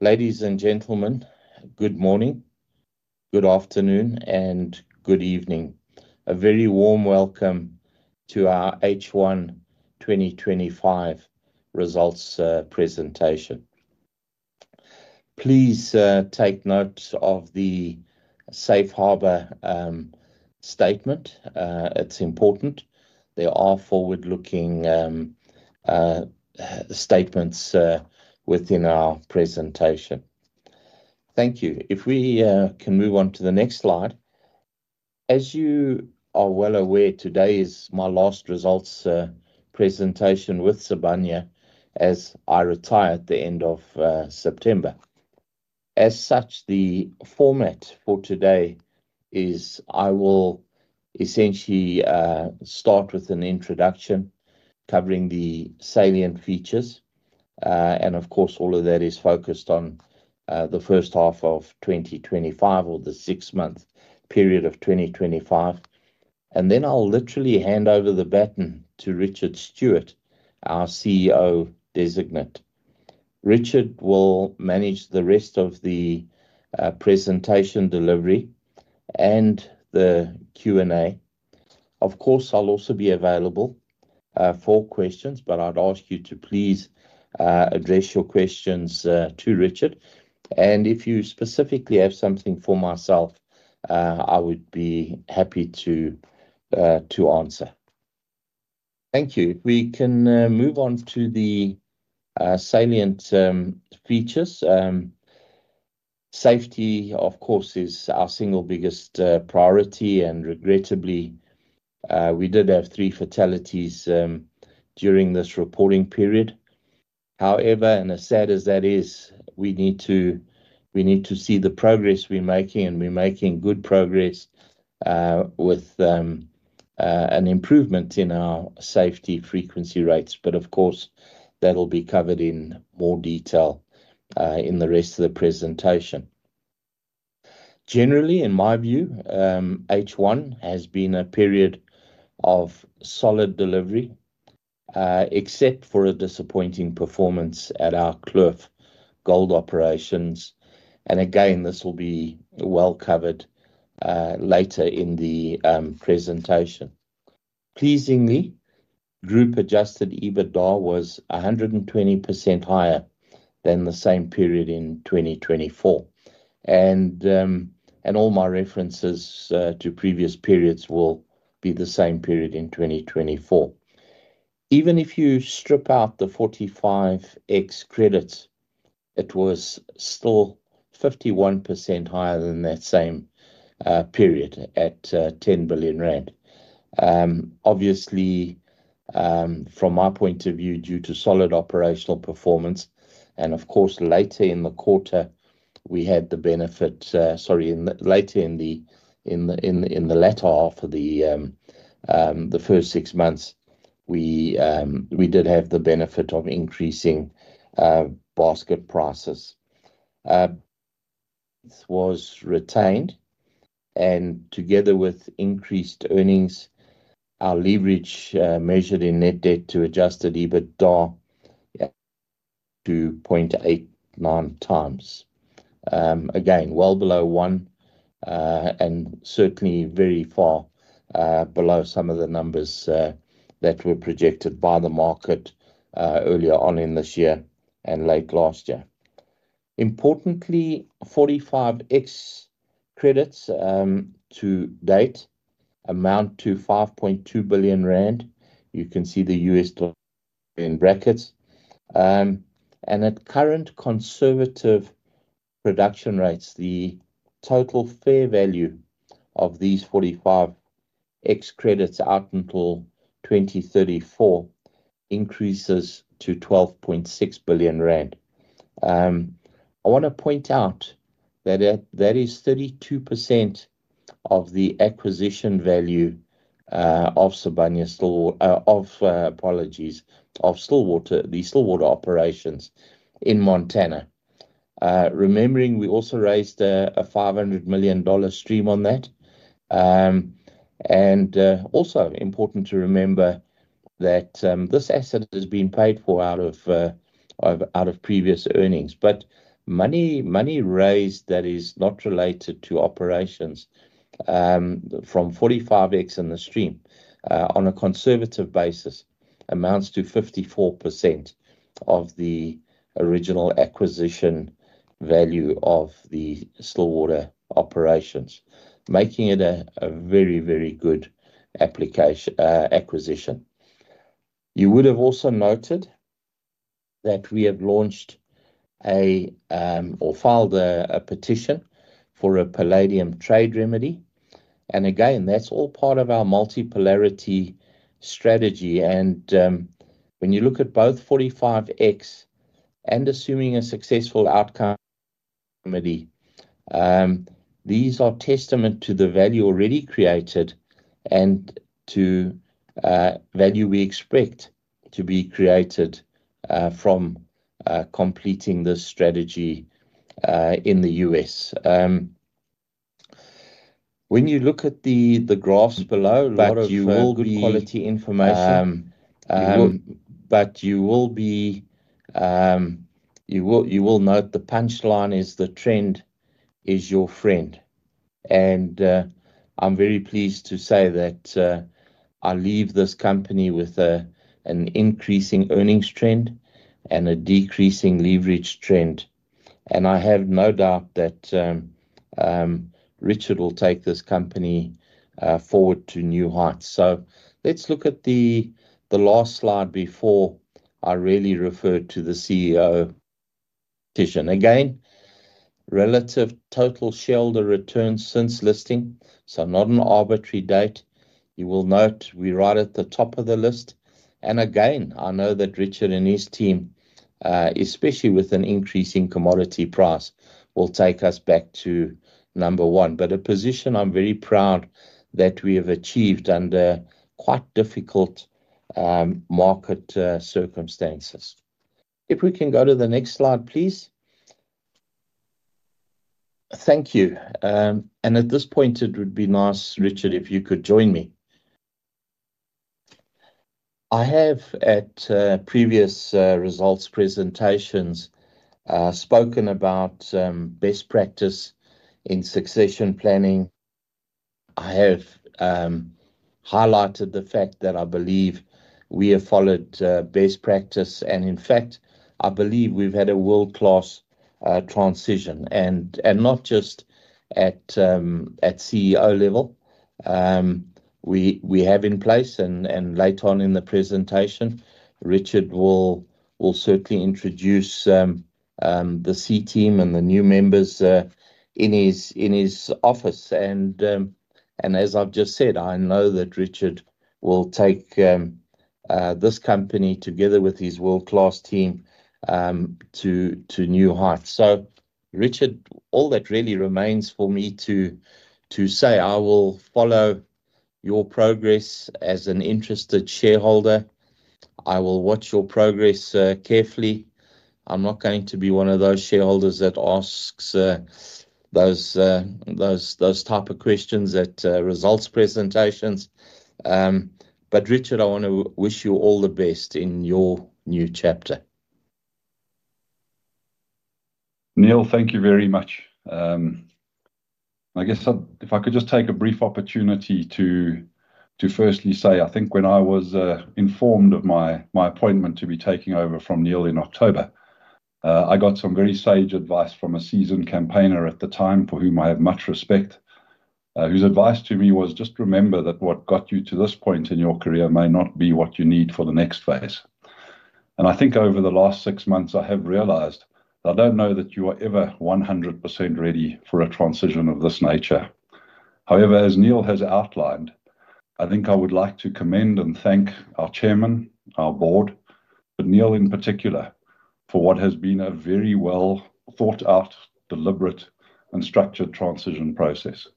Ladies and gentlemen, good morning, good afternoon, and good evening. A very warm welcome to our H1 2025 results presentation. Please take note of the safe harbor statement. It's important. There are forward-looking statements within our presentation. Thank you. If we can move on to the next slide. As you are well aware, today is my last results presentation with Sibanye as I retire at the end of September. As such, the format for today is I will essentially start with an introduction covering the salient features. Of course, all of that is focused on the first half of 2025 or the six-month period of 2025. Then I'll literally hand over the baton to Richard Stewart, our CEO-designate. Richard will manage the rest of the presentation delivery and the Q&A. Of course, I'll also be available for questions, but I'd ask you to please address your questions to Richard. If you specifically have something for myself, I would be happy to answer. Thank you. If we can move on to the salient features. Safety, of course, is our single biggest priority. Regrettably, we did have three fatalities during this reporting period. However, as sad as that is, we need to see the progress we're making, and we're making good progress with an improvement in our safety frequency rates. That will be covered in more detail in the rest of the presentation. Generally, in my view, H1 has been a period of solid delivery, except for a disappointing performance at our Kloof gold operations. This will be well covered later in the presentation. Pleasingly, group adjusted EBITDA was 120% higher than the same period in 2024. All my references to previous periods will be the same period in 2024. Even if you strip out the Section 45X credits, it was still 51% higher than that same period at 10 billion rand. Obviously, from my point of view, due to solid operational performance, and later in the quarter, we had the benefit, sorry, later in the latter half of the first six months, we did have the benefit of increasing basket prices. This was retained. Together with increased earnings, our leverage measured in net debt to adjusted EBITDA is 0.89x. Again, well below 1 and certainly very far below some of the numbers that were projected by the market earlier on in this year and late last year. Importantly, Section 45X credits to date amount to 5.2 billion rand. You can see the US dollar in brackets. At current conservative production rates, the total fair value of these Section 45X credits out until 2034 increases to 12.6 billion rand. I want to point out that is 32% of the acquisition value of Stillwater, the Stillwater operations in Montana. Remembering, we also raised a $500 million stream on that. It is also important to remember that this asset has been paid for out of previous earnings. Money raised that is not related to operations from Section 45X and the stream on a conservative basis amounts to 54% of the original acquisition value of the Stillwater operations, making it a very, very good acquisition. You would have also noted that we have filed a petition for a palladium trade remedy. That is all part of our multipolarity strategy. When you look at both Section 45X and, assuming a successful outcome, these are testament to the value already created and to value we expect to be created from completing this strategy in the U.S. When you look at the graphs below, a lot of you will be. A lot of quality information. You will note the punchline is the trend is your friend. I'm very pleased to say that I leave this company with an increasing earnings trend and a decreasing leverage trend. I have no doubt that Richard will take this company forward to new heights. Let's look at the last slide before I really refer to the CEO petition. Again, relative total shareholder returns since listing, not an arbitrary date. You will note we're right at the top of the list. I know that Richard and his team, especially with an increasing commodity price, will take us back to number one, a position I'm very proud that we have achieved under quite difficult market circumstances. If we can go to the next slide, please. Thank you. At this point, it would be nice, Richard, if you could join me. I have at previous results presentations spoken about best practice in succession planning. I have highlighted the fact that I believe we have followed best practice. In fact, I believe we've had a world-class transition, and not just at CEO level. We have in place, and later on in the presentation, Richard will certainly introduce the C-team and the new members in his office. As I've just said, I know that Richard will take this company together with his world-class team to new heights. Richard, all that really remains for me to say, I will follow your progress as an interested shareholder. I will watch your progress carefully. I'm not going to be one of those shareholders that asks those types of questions at results presentations. Richard, I want to wish you all the best in your new chapter. Neal, thank you very much. I guess if I could just take a brief opportunity to firstly say, I think when I was informed of my appointment to be taking over from Neal in October, I got some very sage advice from a seasoned campaigner at the time for whom I had much respect, whose advice to me was, just remember that what got you to this point in your career may not be what you need for the next phase. I think over the last six months, I have realized that I don't know that you are ever 100% ready for a transition of this nature. However, as Neal has outlined, I would like to commend and thank our Chairman, our Board, but Neal in particular for what has been a very well thought-out, deliberate, and structured transition process.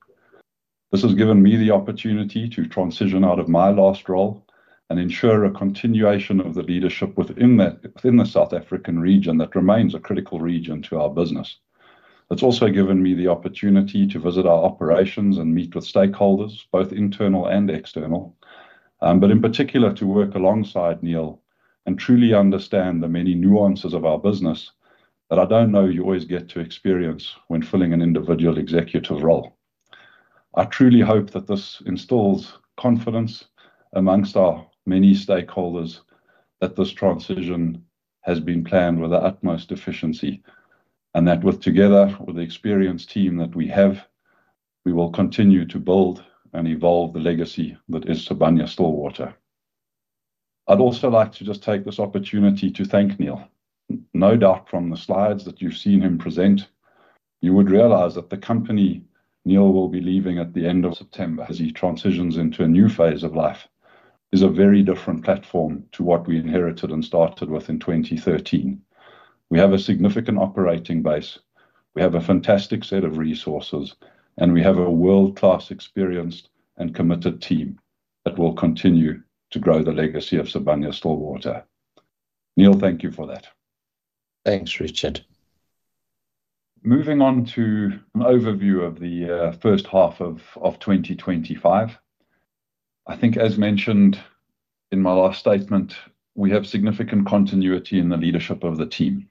This has given me the opportunity to transition out of my last role and ensure a continuation of the leadership within the South African region that remains a critical region to our business. It's also given me the opportunity to visit our operations and meet with stakeholders, both internal and external, but in particular to work alongside Neal and truly understand the many nuances of our business that I don't know you always get to experience when filling an individual executive role. I truly hope that this instills confidence amongst our many stakeholders that this transition has been planned with the utmost efficiency, and that together with the experienced team that we have, we will continue to build and evolve the legacy that is Sibanye-Stillwater. I'd also like to just take this opportunity to thank Neal. No doubt from the slides that you've seen him present, you would realize that the company Neal will be leaving at the end of September as he transitions into a new phase of life is a very different platform to what we inherited and started with in 2013. We have a significant operating base. We have a fantastic set of resources, and we have a world-class, experienced, and committed team that will continue to grow the legacy of Sibanye-Stillwater. Neal, thank you for that. Thanks, Richard. Moving on to an overview of the first half of 2025. I think, as mentioned in my last statement, we have significant continuity in the leadership of the team.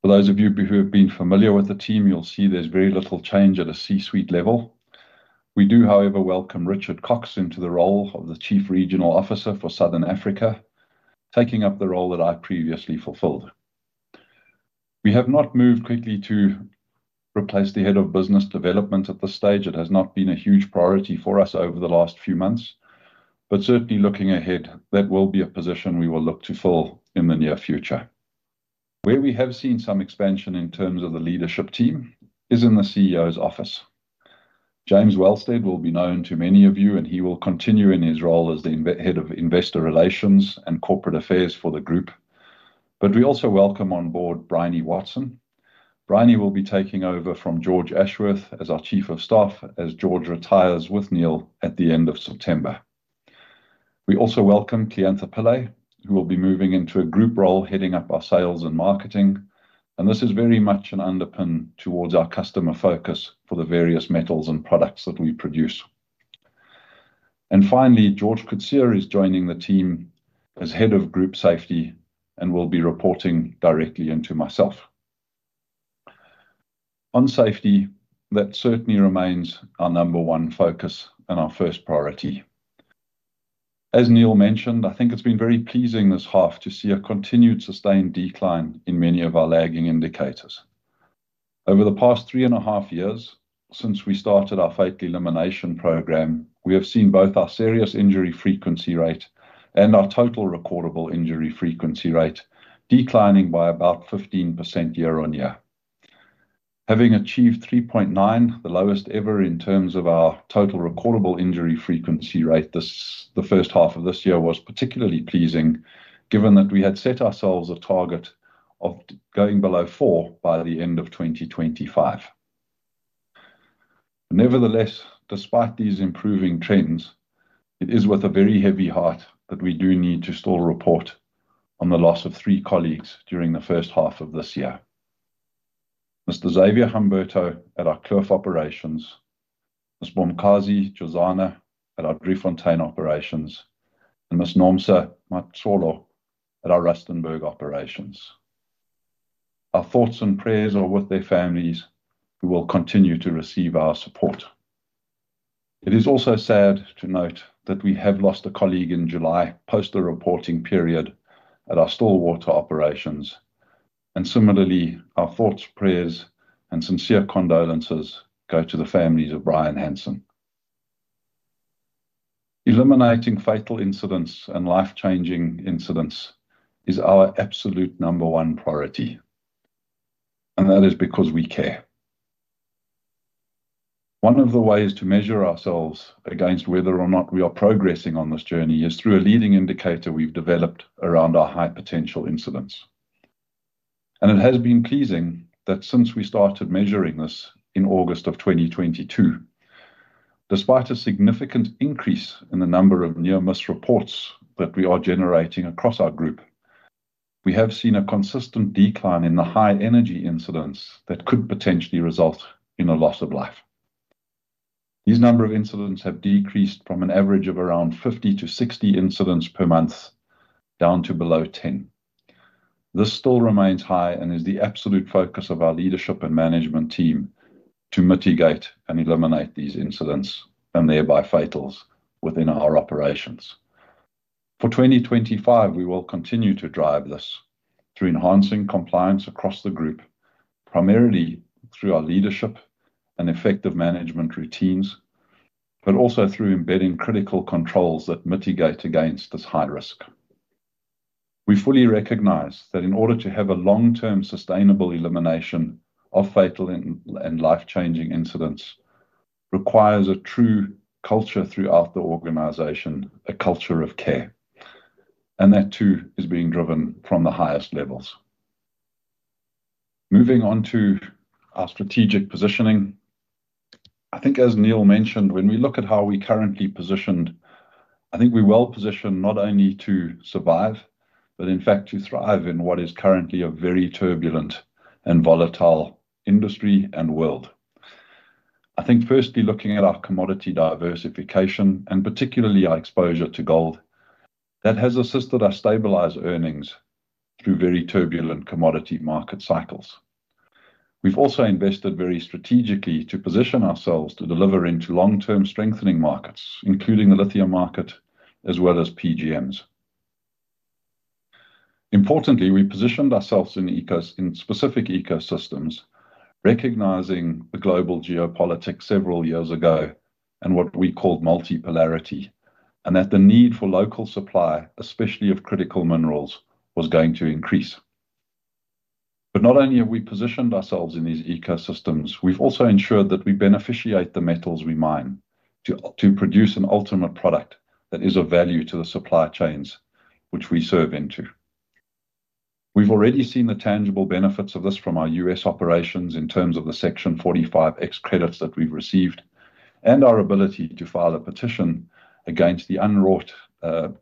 For those of you who have been familiar with the team, you'll see there's very little change at a C-suite level. We do, however, welcome Richard Cox into the role of the Chief Regional Officer for Southern Africa, taking up the role that I previously fulfilled. We have not moved quickly to replace the Head of Business Development at this stage. It has not been a huge priority for us over the last few months. Certainly, looking ahead, that will be a position we will look to fill in the near future. Where we have seen some expansion in terms of the leadership team is in the CEO's office. James Wellsted will be known to many of you, and he will continue in his role as the Head of Investor Relations and Corporate Affairs for the group. We also welcome on board Bryony Watson. Bryony will be taking over from George Ashworth as our Chief of Staff as George retires with Neal at the end of September. We also welcome Kleantha Pillay, who will be moving into a group role heading up our sales and marketing. This is very much an underpin towards our customer focus for the various metals and products that we produce. Finally, George Coatzee is joining the team as Head of Group Safety and will be reporting directly into myself. On safety, that certainly remains our number one focus and our first priority. As Neal mentioned, I think it's been very pleasing this half to see a continued sustained decline in many of our lagging indicators. Over the past three and a half years, since we started our fatal elimination program, we have seen both our serious injury frequency rate and our total recordable injury frequency rate declining by about 15% year on year. Having achieved 3.9, the lowest ever in terms of our total recordable injury frequency rate, the first half of this year was particularly pleasing, given that we had set ourselves a target of going below four by the end of 2025. Nevertheless, despite these improving trends, it is with a very heavy heart that we do need to still report on the loss of three colleagues during the first half of this year: Mr. Xavier Humberto at our Kloof operations, Ms. Bonkasi Jozana at our Driefontein operations, and Ms. Nomsa Matsolo at our Rustenburg operations. Our thoughts and prayers are with their families, who will continue to receive our support. It is also sad to note that we have lost a colleague in July post the reporting period at our Stillwater operations. Similarly, our thoughts, prayers, and sincere condolences go to the families of Brian Hansen. Eliminating fatal incidents and life-changing incidents is our absolute number one priority. That is because we care. One of the ways to measure ourselves against whether or not we are progressing on this journey is through a leading indicator we've developed around our high potential incidents. It has been pleasing that since we started measuring this in August of 2022, despite a significant increase in the number of near-miss reports that we are generating across our group, we have seen a consistent decline in the high energy incidents that could potentially result in a loss of life. These number of incidents have decreased from an average of around 50-60 incidents per month down to below 10. This still remains high and is the absolute focus of our leadership and management team to mitigate and eliminate these incidents and nearby fatalities within our operations. For 2025, we will continue to drive this through enhancing compliance across the group, primarily through our leadership and effective management routines, but also through embedding critical controls that mitigate against this high risk. We fully recognize that in order to have a long-term sustainable elimination of fatal and life-changing incidents, it requires a true culture throughout the organization, a culture of care. That too is being driven from the highest levels. Moving on to our strategic positioning, I think as Neal mentioned, when we look at how we currently position, I think we're well positioned not only to survive, but in fact, to thrive in what is currently a very turbulent and volatile industry and world. I think firstly looking at our commodity diversification and particularly our exposure to gold, that has assisted our stabilized earnings through very turbulent commodity market cycles. We've also invested very strategically to position ourselves to deliver into long-term strengthening markets, including the lithium market, as well as PGMs. Importantly, we positioned ourselves in specific ecosystems, recognizing the global geopolitics several years ago and what we called multipolarity, and that the need for local supply, especially of critical minerals, was going to increase. Not only have we positioned ourselves in these ecosystems, we've also ensured that we beneficiate the metals we mine to produce an ultimate product that is of value to the supply chains which we serve into. We've already seen the tangible benefits of this from our U.S. operations in terms of the Section 45X credits that we've received and our ability to file a petition against the unwrought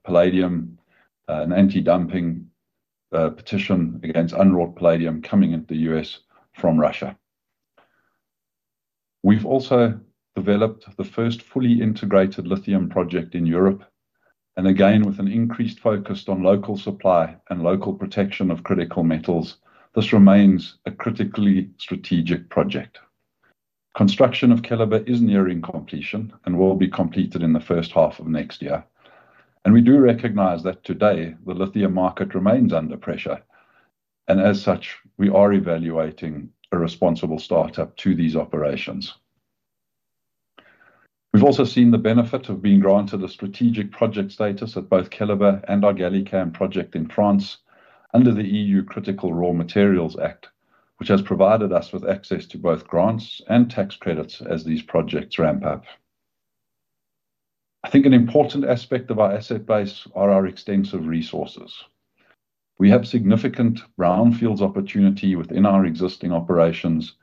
palladium and anti-dumping petition against unwrought palladium coming into the U.S. from Russia. We've also developed the first fully integrated lithium project in Europe. With an increased focus on local supply and local protection of critical metals, this remains a critically strategic project. Construction of Keliber is nearing completion and will be completed in the first half of next year. We do recognize that today the lithium market remains under pressure. As such, we are evaluating a responsible startup to these operations. We've also seen the benefit of being granted a strategic project status at both Keliber and our GalliCam project in France under the E.U. Critical Raw Materials Act, which has provided us with access to both grants and tax credits as these projects ramp up. I think an important aspect of our asset base are our extensive resources. We have significant brownfields opportunity within our existing operations,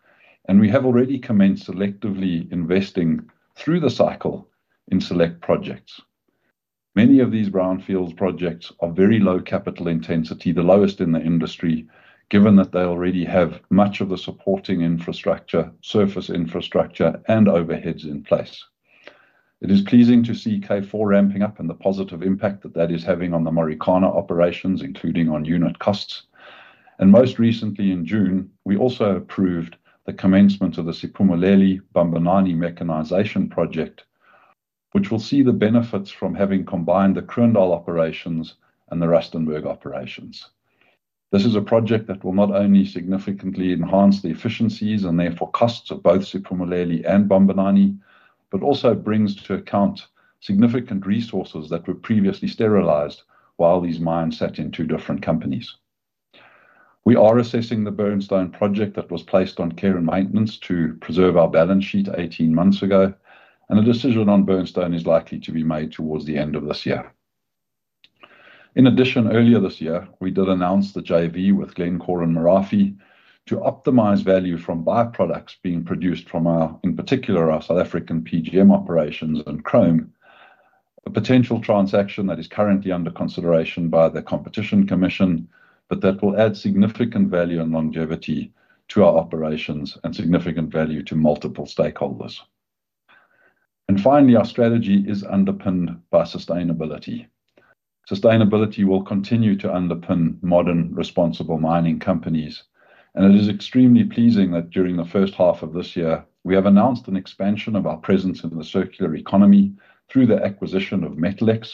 and we have already commenced selectively investing through the cycle in select projects. Many of these brownfields projects are very low capital intensity, the lowest in the industry, given that they already have much of the supporting infrastructure, surface infrastructure, and overheads in place. It is pleasing to see K4 ramping up and the positive impact that that is having on the Marikana operations, including on unit costs. Most recently in June, we also approved the commencement of the Siphumelele/Bambanani mechanization project, which will see the benefits from having combined the Kroondal operations and the Rustenburg operations. This is a project that will not only significantly enhance the efficiencies and therefore costs of both Siphumelele and Bambanani, but also brings to account significant resources that were previously sterilized while these mines sat in two different companies. We are assessing the Burnstone project that was placed on care and maintenance to preserve our balance sheet 18 months ago, and a decision on Burnstone is likely to be made towards the end of this year. In addition, earlier this year, we did announce the JV with Glencore and Merafe to optimize value from byproducts being produced from our, in particular, our South African PGM operations and chrome, a potential transaction that is currently under consideration by the Competition Commission, but that will add significant value and longevity to our operations and significant value to multiple stakeholders. Finally, our strategy is underpinned by sustainability. Sustainability will continue to underpin modern responsible mining companies. It is extremely pleasing that during the first half of this year, we have announced an expansion of our presence in the circular economy through the acquisition of Metallix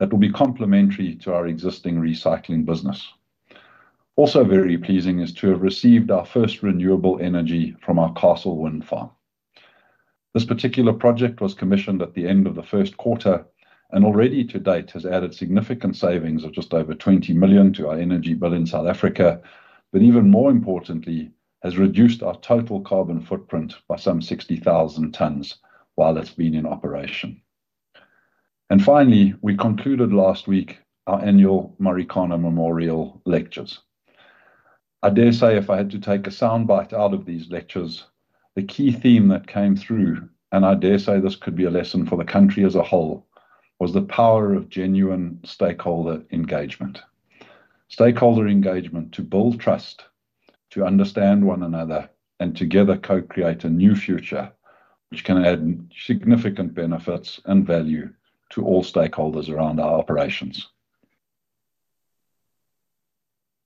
that will be complementary to our existing recycling business. Also very pleasing is to have received our first renewable energy from our Castle Wind Farm. This particular project was commissioned at the end of the first quarter and already to date has added significant savings of just over 20 million to our energy bill in South Africa, but even more importantly, has reduced our total carbon footprint by some 60,000 tons while it's been in operation. Finally, we concluded last week our annual Marikana Memorial lectures. I dare say if I had to take a sound bite out of these lectures, the key theme that came through, and I dare say this could be a lesson for the country as a whole, was the power of genuine stakeholder engagement. Stakeholder engagement to build trust, to understand one another, and together co-create a new future which can add significant benefits and value to all stakeholders around our operations.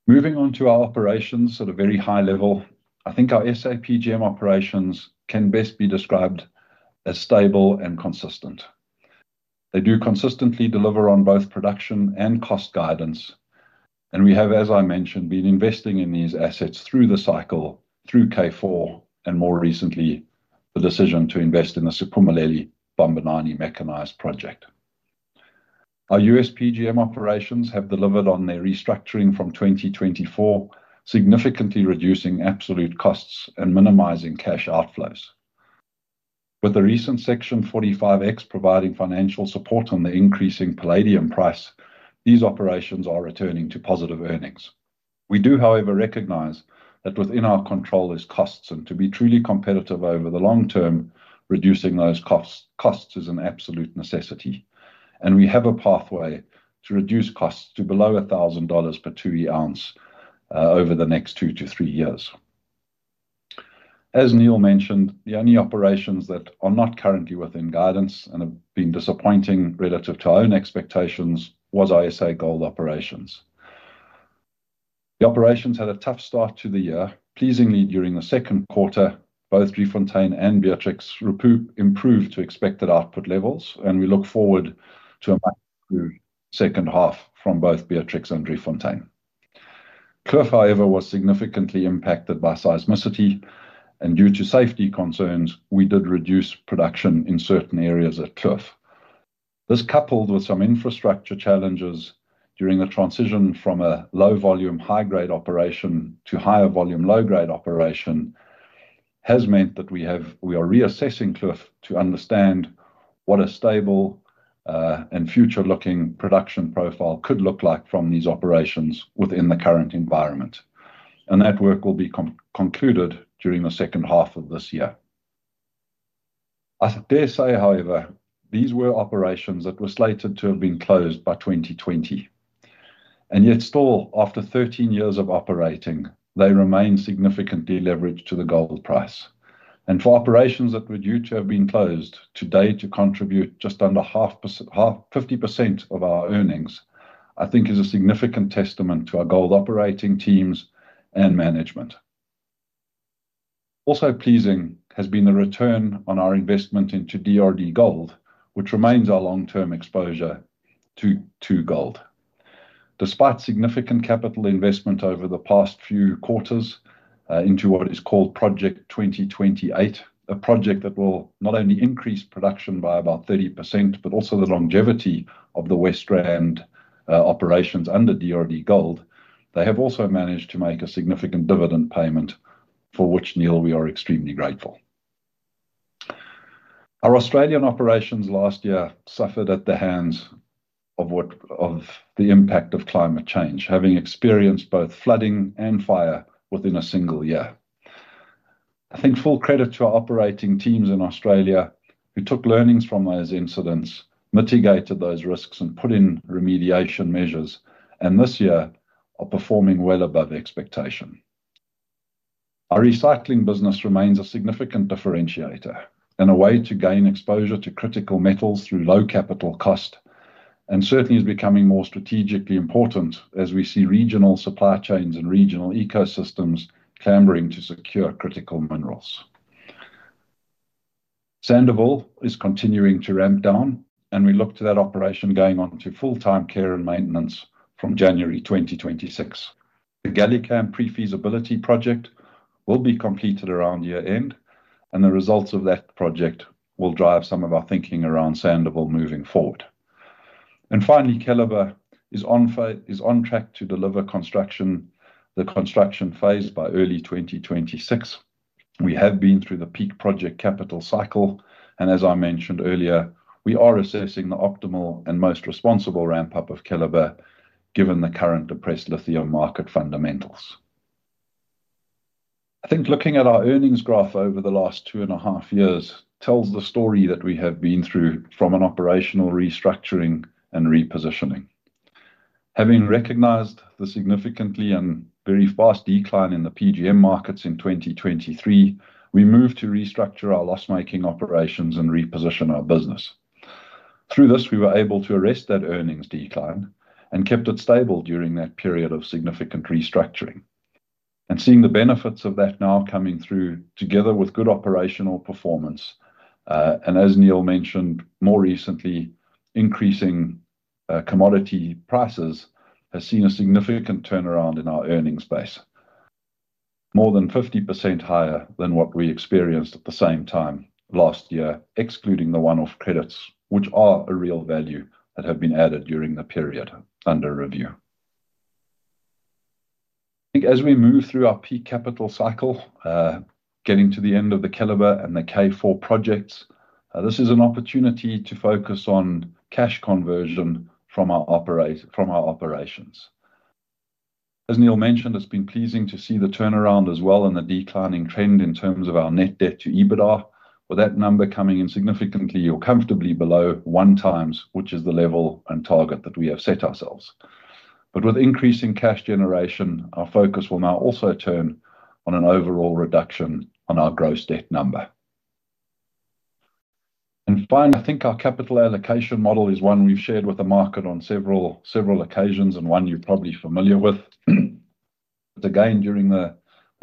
Moving on to our operations at a very high level, I think our S.A. PGM operations can best be described as stable and consistent. They do consistently deliver on both production and cost guidance. We have, as I mentioned, been investing in these assets through the cycle, through K4, and more recently, the decision to invest in the Siphumelele/Bambanani mechanization project. Our U.S. PGM operations have delivered on their restructuring from 2024, significantly reducing absolute costs and minimizing cash outflows. With the recent Section 45X credits providing financial support on the increasing palladium price, these operations are returning to positive earnings. We do, however, recognize that within our control is costs, and to be truly competitive over the long term, reducing those costs is an absolute necessity. We have a pathway to reduce costs to below $1,000 per 2 oz over the next two to three years. As Neal mentioned, the only operations that are not currently within guidance and have been disappointing relative to our own expectations were S.A. gold operations. The operations had a tough start to the year. Pleasingly, during the second quarter, both Driefontein and Beatrix improved to expected output levels, and we look forward to a second half from both Beatrix and Driefontein. Kloof, however, was significantly impacted by seismicity, and due to safety concerns, we did reduce production in certain areas at Kloof. This, coupled with some infrastructure challenges during the transition from a low-volume, high-grade operation to a higher-volume, low-grade operation, has meant that we are reassessing Kloof to understand what a stable and future-looking production profile could look like from these operations within the current environment. That work will be concluded during the second half of this year. I dare say, however, these were operations that were slated to have been closed by 2020. Yet still, after 13 years of operating, they remain significantly leveraged to the gold price. For operations that were due to have been closed today to contribute just under half, 50%, of our earnings, I think is a significant testament to our gold operating teams and management. Also pleasing has been the return on our investment into DRDGOLD, which remains our long-term exposure to gold. Despite significant capital investment over the past few quarters into what is called Project 2028, a project that will not only increase production by about 30% but also the longevity of the West Rand operations under DRDGOLD, they have also managed to make a significant dividend payment for which, Neal, we are extremely grateful. Our Australian operations last year suffered at the hands of the impact of climate change, having experienced both flooding and fire within a single year. I think full credit to our operating teams in Australia, who took learnings from those incidents, mitigated those risks, and put in remediation measures, and this year are performing well above expectation. Our recycling business remains a significant differentiator and a way to gain exposure to critical metals through low capital cost and certainly is becoming more strategically important as we see regional supply chains and regional ecosystems clambering to secure critical minerals. Sandouville is continuing to ramp down, and we look to that operation going on to full-time care and maintenance from January 2026. The GalliCam pre-feasibility project will be completed around year-end, and the results of that project will drive some of our thinking around Sandouville moving forward. Finally, Keliber is on track to deliver the construction phase by early 2026. We have been through the peak project capital cycle, and as I mentioned earlier, we are assessing the optimal and most responsible ramp-up of Keliber given the current depressed lithium market fundamentals. I think looking at our earnings graph over the last two and a half years tells the story that we have been through from an operational restructuring and repositioning. Having recognized the significant and very vast decline in the PGM markets in 2023, we moved to restructure our loss-making operations and reposition our business. Through this, we were able to arrest that earnings decline and kept it stable during that period of significant restructuring. Seeing the benefits of that now coming through together with good operational performance, and as Neal mentioned, more recently, increasing commodity prices has seen a significant turnaround in our earnings base, more than 50% higher than what we experienced at the same time last year, excluding the one-off credits, which are a real value that have been added during the period under review. As we move through our peak capital cycle, getting to the end of the Keliber and the K4 projects, this is an opportunity to focus on cash conversion from our operations. As Neal mentioned, it's been pleasing to see the turnaround as well and the declining trend in terms of our net debt to EBITDA, with that number coming in significantly or comfortably below one times, which is the level and target that we have set ourselves. With increasing cash generation, our focus will now also turn on an overall reduction on our gross debt number. Finally, I think our capital allocation model is one we've shared with the market on several occasions and one you're probably familiar with. During the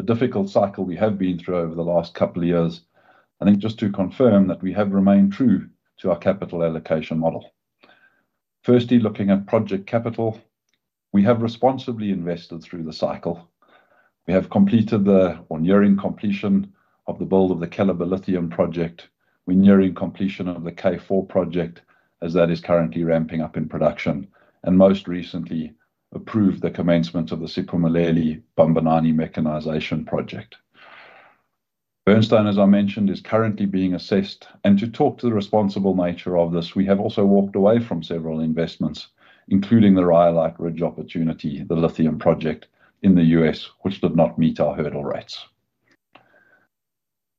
difficult cycle we have been through over the last couple of years, I think just to confirm that we have remained true to our capital allocation model. Firstly, looking at project capital, we have responsibly invested through the cycle. We have completed the, or nearing completion, of the build of the Keliber lithium project. We're nearing completion of the K4 project as that is currently ramping up in production, and most recently approved the commencement of the Siphumelele/Bambanani mechanization project. Burnstone, as I mentioned, is currently being assessed. To talk to the responsible nature of this, we have also walked away from several investments, including the Rhyolite Ridge opportunity, the lithium project in the U.S., which did not meet our hurdle rates.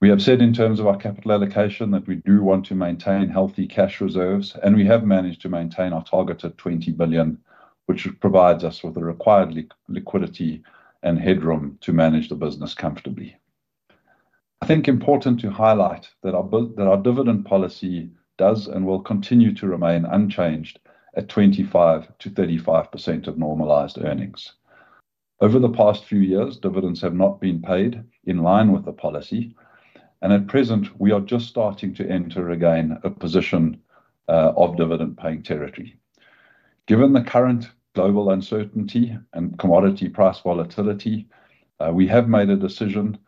We have said in terms of our capital allocation that we do want to maintain healthy cash reserves, and we have managed to maintain our target of 20 billion, which provides us with the required liquidity and headroom to manage the business comfortably. I think it's important to highlight that our dividend policy does and will continue to remain unchanged at 25%-35% of normalized earnings. Over the past few years, dividends have not been paid in line with the policy. At present, we are just starting to enter again a position of dividend-paying territory. Given the current global uncertainty and commodity price volatility, we have made a decision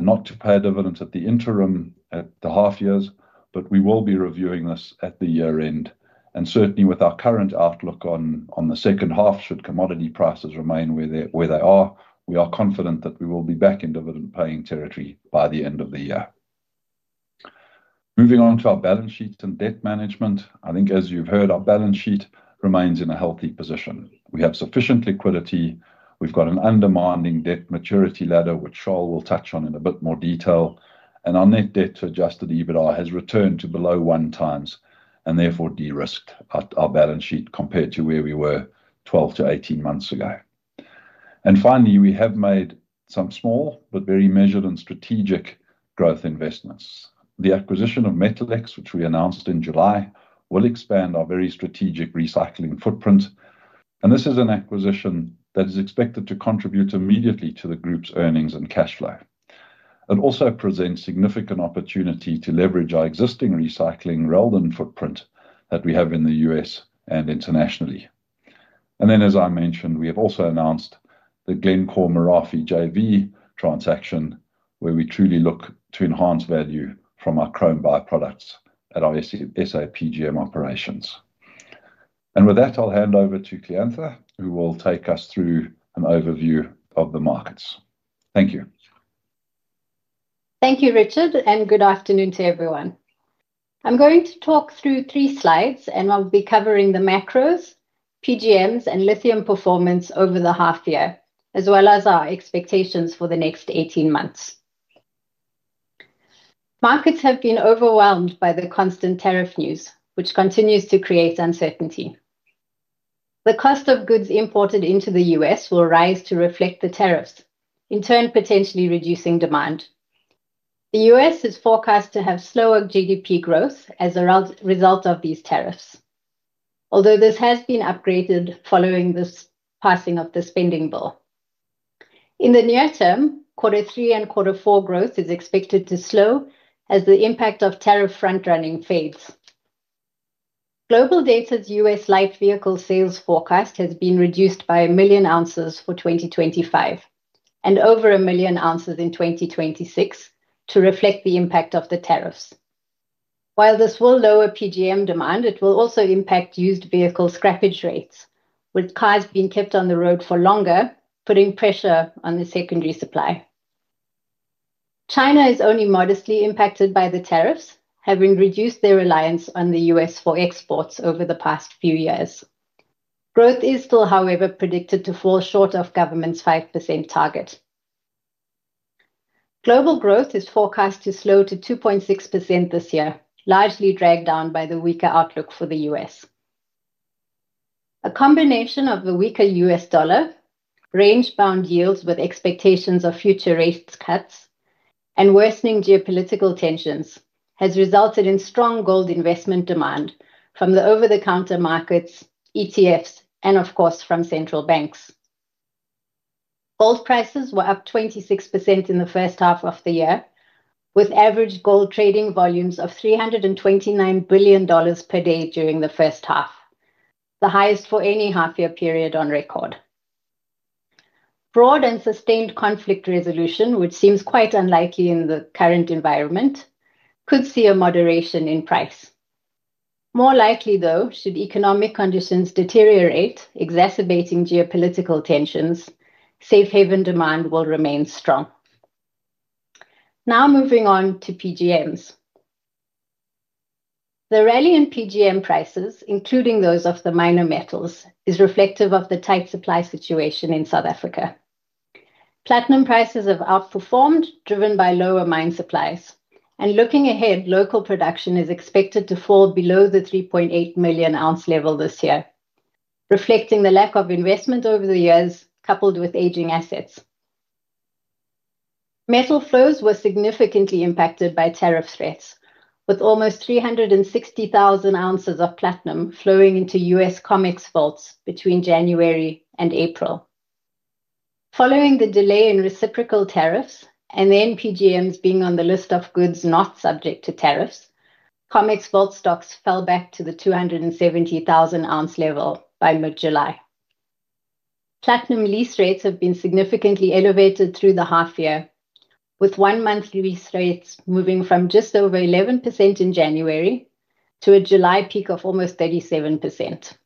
not to pay dividends at the interim at the half years, but we will be reviewing this at the year-end. Certainly, with our current outlook on the second half, should commodity prices remain where they are, we are confident that we will be back in dividend-paying territory by the end of the year. Moving on to our balance sheet and debt management, I think as you've heard, our balance sheet remains in a healthy position. We have sufficient liquidity. We've got an undermining debt maturity ladder, which Shaw will touch on in a bit more detail. Our net debt to adjusted EBITDA has returned to below one times and therefore de-risked our balance sheet compared to where we were 12-18 months ago. Finally, we have made some small but very measured and strategic growth investments. The acquisition of Metallix, which we announced in July, will expand our very strategic recycling footprint. This is an acquisition that is expected to contribute immediately to the group's earnings and cash flow. It also presents significant opportunity to leverage our existing recycling relevant footprint that we have in the U.S. and internationally. As I mentioned, we have also announced the Glencore/Merafe JV transaction, where we truly look to enhance value from our chrome byproducts at our S.A. PGM operations. With that, I'll hand over to Kleantha, who will take us through an overview of the markets. Thank you. Thank you, Richard, and good afternoon to everyone. I'm going to talk through three slides, and I'll be covering the macros, PGMs, and lithium performance over the half year, as well as our expectations for the next 18 months. Markets have been overwhelmed by the constant tariff news, which continues to create uncertainty. The cost of goods imported into the U.S. will rise to reflect the tariffs, in turn potentially reducing demand. The U.S. is forecast to have slower GDP growth as a result of these tariffs, although this has been upgraded following the passing of the spending bill. In the near term, quarter three and quarter four growth is expected to slow as the impact of tariff front-running fades. Global Data's U.S. light vehicle sales forecast has been reduced by a million ounces for 2025 and over a million ounces in 2026 to reflect the impact of the tariffs. While this will lower PGM demand, it will also impact used vehicle scrappage rates, with cars being kept on the road for longer, putting pressure on the secondary supply. China is only modestly impacted by the tariffs, having reduced their reliance on the U.S. for exports over the past few years. Growth is still, however, predicted to fall short of government's 5% target. Global growth is forecast to slow to 2.6% this year, largely dragged down by the weaker outlook for the U.S. A combination of the weaker U.S. dollar, range-bound yields with expectations of future rate cuts, and worsening geopolitical tensions has resulted in strong gold investment demand from the over-the-counter markets, ETFs, and of course, from central banks. Gold prices were up 26% in the first half of the year, with average gold trading volumes of $329 billion per day during the first half, the highest for any half-year period on record. Broad and sustained conflict resolution, which seems quite unlikely in the current environment, could see a moderation in price. More likely, though, should economic conditions deteriorate, exacerbating geopolitical tensions, safe haven demand will remain strong. Now moving on to PGMs. The rally in PGM prices, including those of the minor metals, is reflective of the tight supply situation in South Africa. Platinum prices have outperformed, driven by lower mine supplies. Looking ahead, local production is expected to fall below the 3.8 million oz level this year, reflecting the lack of investment over the years, coupled with aging assets. Metal flows were significantly impacted by tariff rates, with almost 360,000 oz of platinum flowing into U.S. COMEX vaults between January and April. Following the delay in reciprocal tariffs and then PGMs being on the list of goods not subject to tariffs, COMEX vault stocks fell back to the 270,000 oz level by mid-July. Platinum lease rates have been significantly elevated through the half year, with one-month lease rates moving from just over 11% in January to a July peak of almost 37%.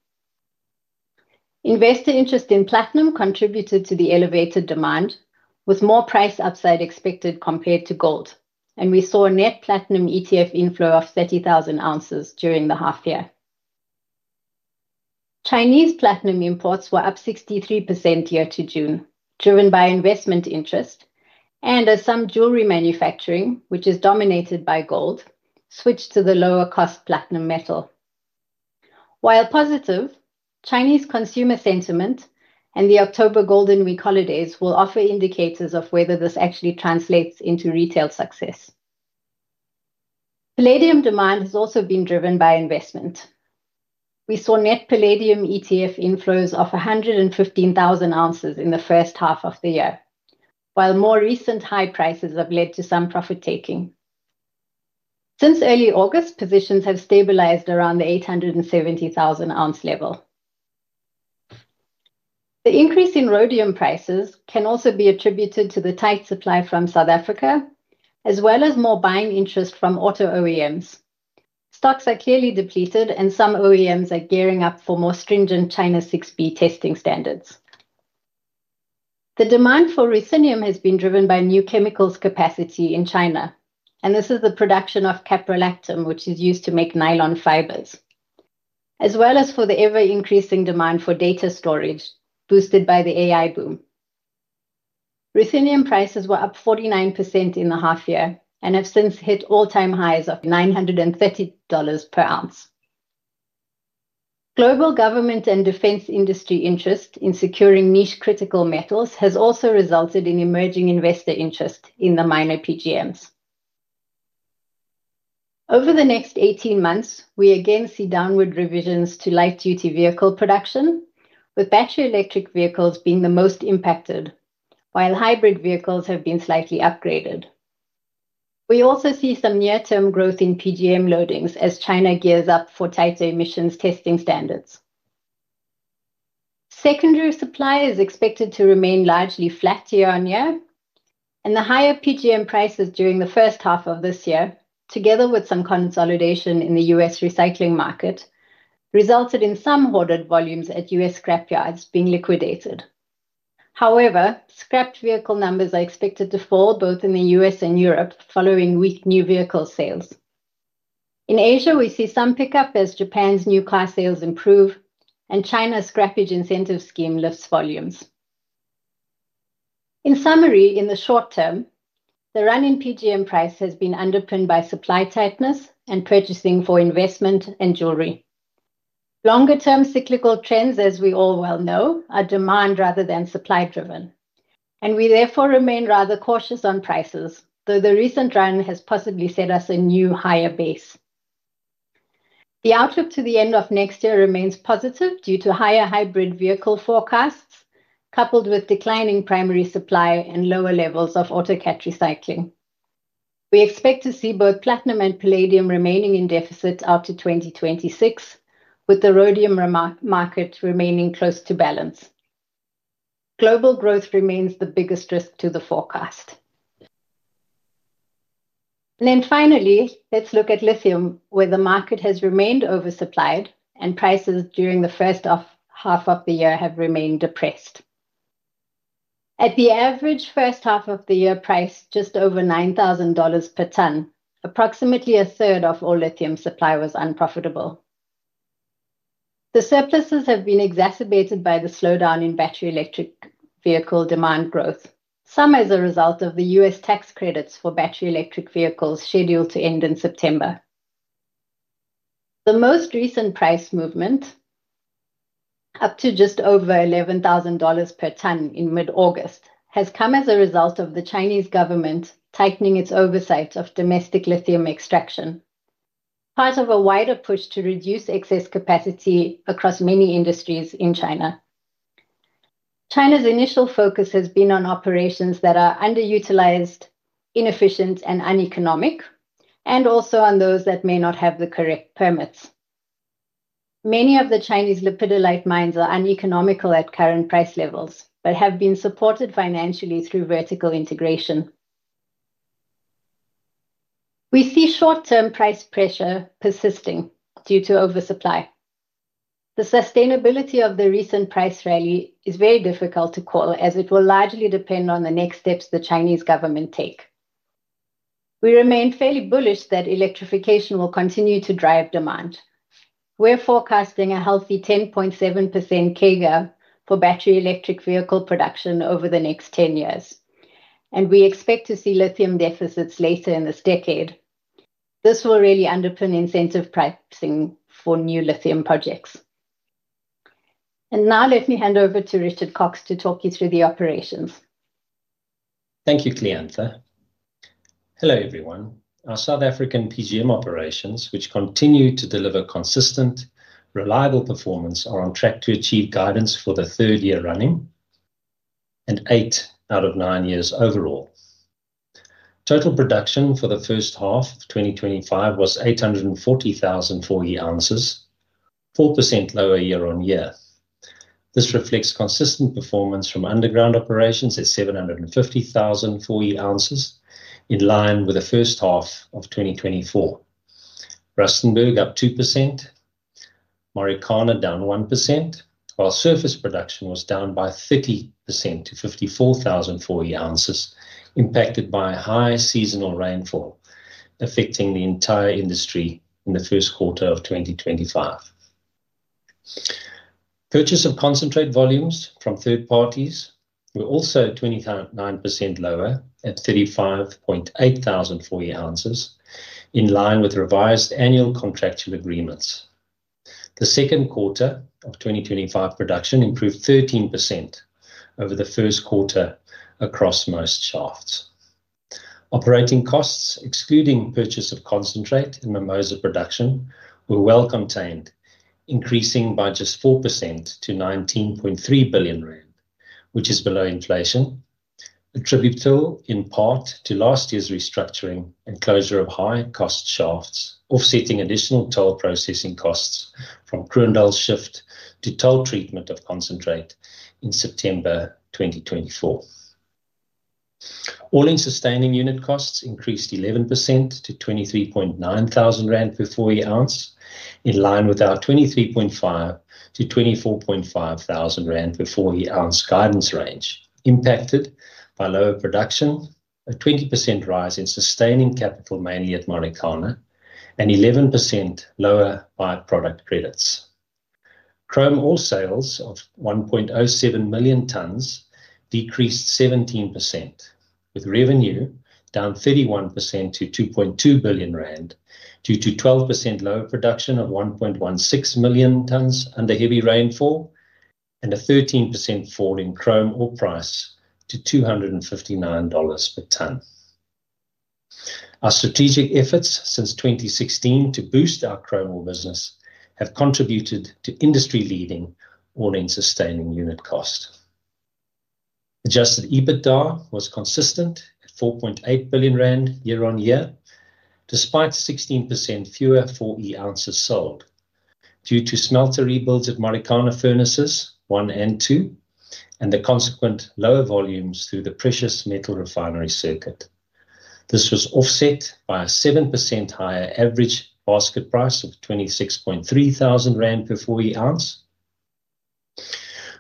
Investor interest in platinum contributed to the elevated demand, with more price upside expected compared to gold. We saw a net platinum ETF inflow of 30,000 oz during the half year. Chinese platinum imports were up 63% year to June, driven by investment interest and as some jewelry manufacturing, which is dominated by gold, switched to the lower-cost platinum metal. While positive, Chinese consumer sentiment and the October Golden Week holidays will offer indicators of whether this actually translates into retail success. Palladium demand has also been driven by investment. We saw net palladium ETF inflows of 115,000 oz in the first half of the year, while more recent high prices have led to some profit-taking. Since early August, positions have stabilized around the 870,000 oz level. The increase in rhodium prices can also be attributed to the tight supply from South Africa, as well as more buying interest from auto OEMs. Stocks are clearly depleted, and some OEMs are gearing up for more stringent China 6B testing standards. The demand for ruthenium has been driven by new chemicals capacity in China, and this is the production of caprolactam, which is used to make nylon fibers, as well as for the ever-increasing demand for data storage, boosted by the AI boom. Ruthenium prices were up 49% in the half year and have since hit all-time highs of $930 per ounce. Global government and defense industry interest in securing niche critical metals has also resulted in emerging investor interest in the minor PGMs. Over the next 18 months, we again see downward revisions to light-duty vehicle production, with battery electric vehicles being the most impacted, while hybrid vehicles have been slightly upgraded. We also see some near-term growth in PGM loadings as China gears up for tighter emissions testing standards. Secondary supply is expected to remain largely flat year on year, and the higher PGM prices during the first half of this year, together with some consolidation in the U.S. recycling market, resulted in some hoarded volumes at U.S. scrap yards being liquidated. However, scrapped vehicle numbers are expected to fall both in the U.S. and Europe following weak new vehicle sales. In Asia, we see some pickup as Japan's new car sales improve, and China's scrappage incentive scheme lifts volumes. In summary, in the short term, the run in PGM price has been underpinned by supply tightness and purchasing for investment and jewelry. Longer-term cyclical trends, as we all well know, are demand rather than supply-driven. We therefore remain rather cautious on prices, though the recent run has possibly set us a new higher base. The outlook to the end of next year remains positive due to higher hybrid vehicle forecasts, coupled with declining primary supply and lower levels of autocat recycling. We expect to see both platinum and palladium remaining in deficit out to 2026, with the rhodium market remaining close to balance. Global growth remains the biggest risk to the forecast. Finally, let's look at lithium, where the market has remained oversupplied, and prices during the first half of the year have remained depressed. At the average first half of the year, priced just over $9,000 per ton, approximately a third of all lithium supply was unprofitable. The surpluses have been exacerbated by the slowdown in battery electric vehicle demand growth, some as a result of the U.S. tax credits for battery electric vehicles scheduled to end in September. The most recent price movement, up to just over $11,000 per ton in mid-August, has come as a result of the Chinese government tightening its oversight of domestic lithium extraction, part of a wider push to reduce excess capacity across many industries in China. China's initial focus has been on operations that are underutilized, inefficient, and uneconomic, and also on those that may not have the correct permits. Many of the Chinese lipidolite mines are uneconomical at current price levels, but have been supported financially through vertical integration. We see short-term price pressure persisting due to oversupply. The sustainability of the recent price rally is very difficult to call, as it will largely depend on the next steps the Chinese government takes. We remain fairly bullish that electrification will continue to drive demand. We're forecasting a healthy 10.7% CAGR for battery electric vehicle production over the next 10 years. We expect to see lithium deficits later in this decade. This will really underpin incentive pricing for new lithium projects. Let me hand over to Richard Cox to talk you through the operations. Thank you, Kleantha. Hello everyone. Our South African PGM operations, which continue to deliver consistent, reliable performance, are on track to achieve guidance for the third year running and eight out of nine years overall. Total production for the first half of 2025 was 840,000 4E oz, 4% lower year on year. This reflects consistent performance from underground operations at 750,000 4E oz, in line with the first half of 2024. Rustenburg up 2%, Marikana down 1%, while surface production was down by 30% to 54,000 4E oz, impacted by high seasonal rainfall affecting the entire industry in the first quarter of 2025. Purchase of concentrate volumes from third parties were also 29% lower at 35,800 4E oz, in line with revised annual contractual agreements. The second quarter of 2025 production improved 13% over the first quarter across most shafts. Operating costs, excluding purchase of concentrate and Mimosa production, were well contained, increasing by just 4% to 19.3 billion rand, which is below inflation, attributable in part to last year's restructuring and closure of high-cost shafts, offsetting additional toll processing costs from Kroondal shift to toll treatment of concentrate in September 2024. All-in sustaining unit costs increased 11% to 23,900 rand per 4E ounce, in line with our 23,500 to 24,500 rand per 4E ounce guidance range, impacted by lower production, a 20% rise in sustaining capital mainly at Marikana, and 11% lower byproduct credits. Chrome ore sales of 1.07 million tons decreased 17%, with revenue down 31% to 2.2 billion rand due to 12% lower production of 1.16 million tons under heavy rainfall and a 13% fall in chrome ore price to $259 per ton. Our strategic efforts since 2016 to boost our chrome ore business have contributed to industry-leading all-in sustaining unit costs. Adjusted EBITDA was consistent at 4.8 billion rand year on year, despite 16% fewer 4E ounces sold due to smelter rebuilds at Marikana furnaces one and two, and the consequent lower volumes through the precious metal refinery circuit. This was offset by a 7% higher average basket price of 26,300 rand per 4E ounce.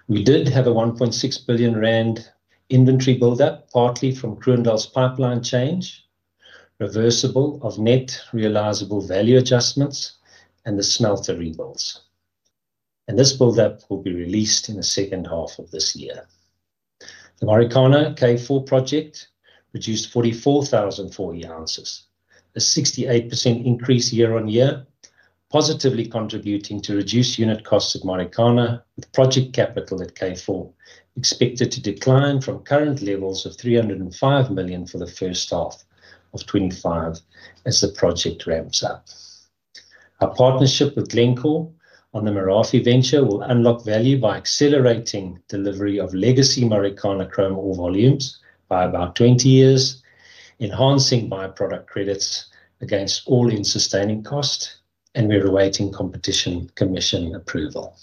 We did have a 1.6 billion rand inventory buildup, partly from Kroondal's pipeline change, reversal of net realizable value adjustments and the smelter rebuilds. This buildup will be released in the second half of this year. The Marikana K4 project produced 44,000 4E oz, a 68% increase year on year, positively contributing to reduced unit costs at Marikana. Project capital at K4 is expected to decline from current levels of 305 million for the first half of 2025 as the project ramps up. Our partnership with Glencore on the Marikana venture will unlock value by accelerating delivery of legacy Marikana chrome ore volumes by about 20 years, enhancing byproduct credits against all-in sustaining costs, and we're awaiting Competition Commission approval.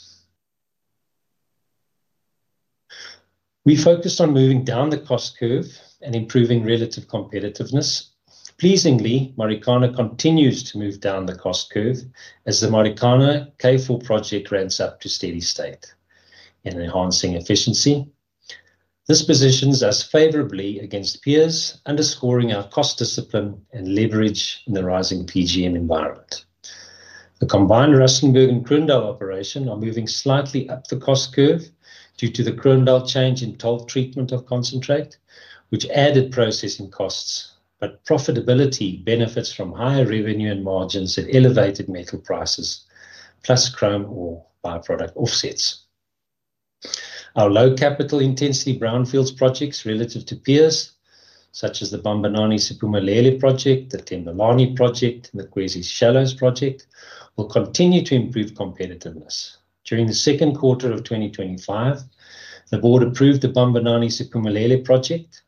We focused on moving down the cost curve and improving relative competitiveness. Pleasingly, Marikana continues to move down the cost curve as the Marikana K4 project ramps up to steady state and enhancing efficiency. This positions us favorably against peers, underscoring our cost discipline and leverage in the rising PGM environment. The combined Rustenburg and Kroondal operation are moving slightly up the cost curve due to the Kroondal change in toll treatment of concentrate, which added processing costs, but profitability benefits from higher revenue and margins at elevated metal prices, plus chrome ore byproduct offsets. Our low capital intensity brownfields projects relative to peers, such as the Siphumelele/Bambanani project, the Themba Nkosi project, and the Kwasi Shallows project, will continue to improve competitiveness. During the second quarter of 2025, the board approved the Siphumelele/Bambanani project.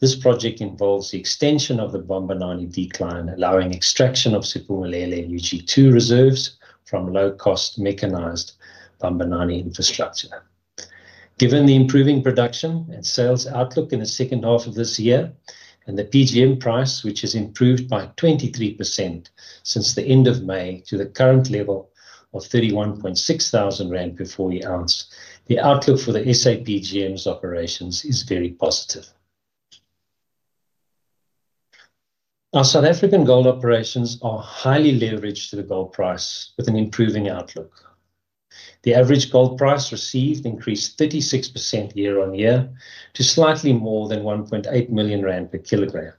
This project involves the extension of the Bambanani decline, allowing extraction of Siphumelele UG2 reserves from low-cost mechanized Bambanani infrastructure. Given the improving production and sales outlook in the second half of this year and the PGM price, which has improved by 23% since the end of May to the current level of 31,600 rand per 4E ounce, the outlook for the S.A. PGM operations is very positive. Our South African gold operations are highly leveraged to the gold price with an improving outlook. The average gold price received increased 36% year on year to slightly more than 1.8 million rand per kilogram.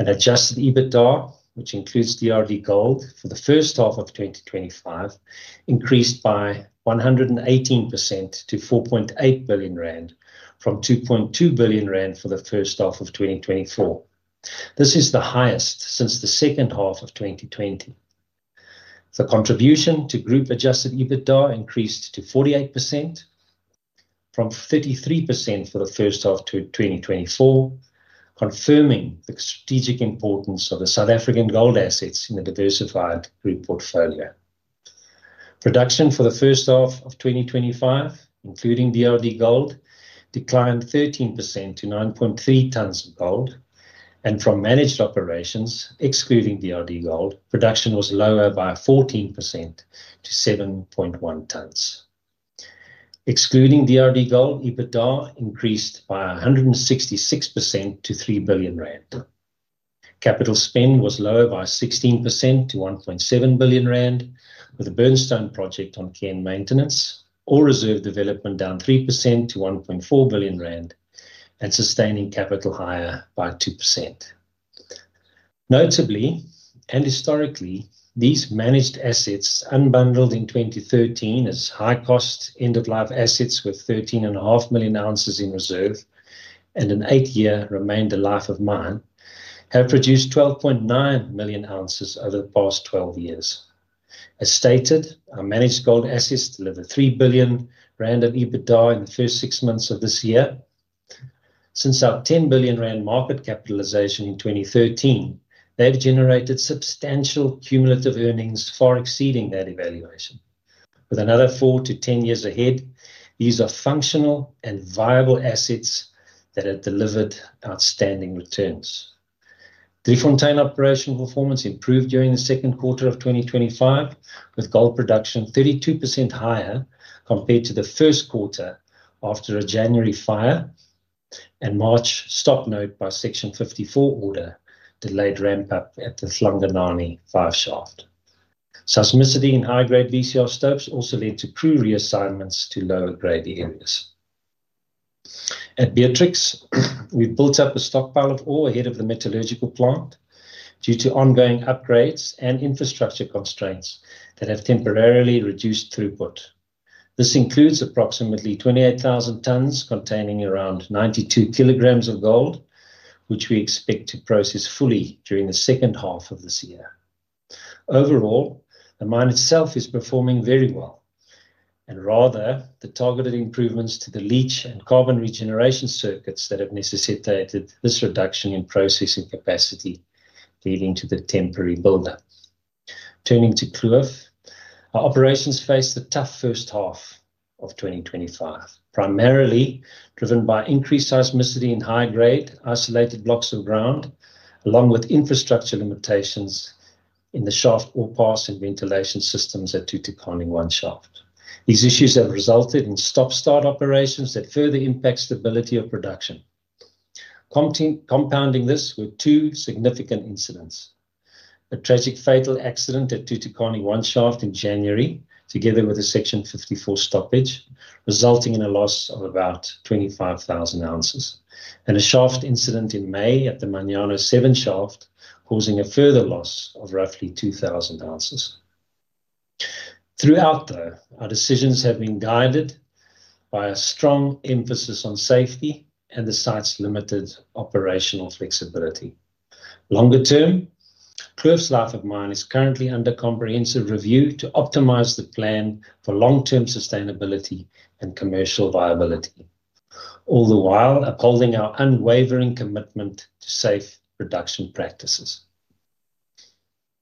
Adjusted EBITDA, which includes DRDGOLD for the first half of 2025, increased by 118% to 4.8 billion rand from 2.2 billion rand for the first half of 2024. This is the highest since the second half of 2020. The contribution to group adjusted EBITDA increased to 48% from 33% for the first half of 2024, confirming the strategic importance of the South African gold assets in the diversified group portfolio. Production for the first half of 2025, including DRDGOLD, declined 13% to 9.3 tons of gold. From managed operations, excluding DRDGOLD, production was lower by 14% to 7.1 tons. Excluding DRDGOLD, EBITDA increased by 166% to 3 billion rand. Capital spend was lower by 16% to 1.7 billion rand, with the Burnstone project on care and maintenance, all reserve development down 3% to 1.4 billion rand, and sustaining capital higher by 2%. Notably and historically, these managed assets unbundled in 2013 as high-cost end-of-life assets with 13.5 million oz in reserve and an eight-year remainder life of mine have produced 12.9 million oz over the past 12 years. As stated, our managed gold assets delivered 3 billion rand at EBITDA in the first six months of this year. Since our 10 billion rand market capitalization in 2013, they've generated substantial cumulative earnings far exceeding that evaluation. With another four to ten years ahead, these are functional and viable assets that have delivered outstanding returns. Driefontein operational performance improved during the second quarter of 2025, with gold production 32% higher compared to the first quarter after a January fire and March stoppage by Section 54 order delayed ramp-up at the Kloof No. 9 shaft. Seismicity and high-grade VCR stopes also led to crew reassignments to lower-grade areas. At Beatrix, we've built up a stockpile of ore ahead of the metallurgical plant due to ongoing upgrades and infrastructure constraints that have temporarily reduced throughput. This includes approximately 28,000 tons containing around 92 kg of gold, which we expect to process fully during the second half of this year. Overall, the mine itself is performing very well, and rather, the targeted improvements to the leach and carbon regeneration circuits have necessitated this reduction in processing capacity leading to the temporary buildup. Turning to Kloof, our operations faced a tough first half of 2025, primarily driven by increased seismicity in high-grade isolated blocks of ground, along with infrastructure limitations in the shaft ore pass and ventilation systems at Kloof No. 1 shaft. These issues have resulted in stop-start operations that further impact stability of production, compounding this with two significant incidents: a tragic fatal accident at Thuthukani One Shaft in January, together with a Section 54 stoppage, resulting in a loss of about 25,000 oz, and a shaft incident in May at the Manyano Seven Shaft, causing a further loss of roughly 2,000 oz. Throughout, though, our decisions have been guided by a strong emphasis on safety and the site's limited operational flexibility. Longer term, Kloof's life of mine is currently under comprehensive review to optimize the plan for long-term sustainability and commercial viability, all the while upholding our unwavering commitment to safe production practices.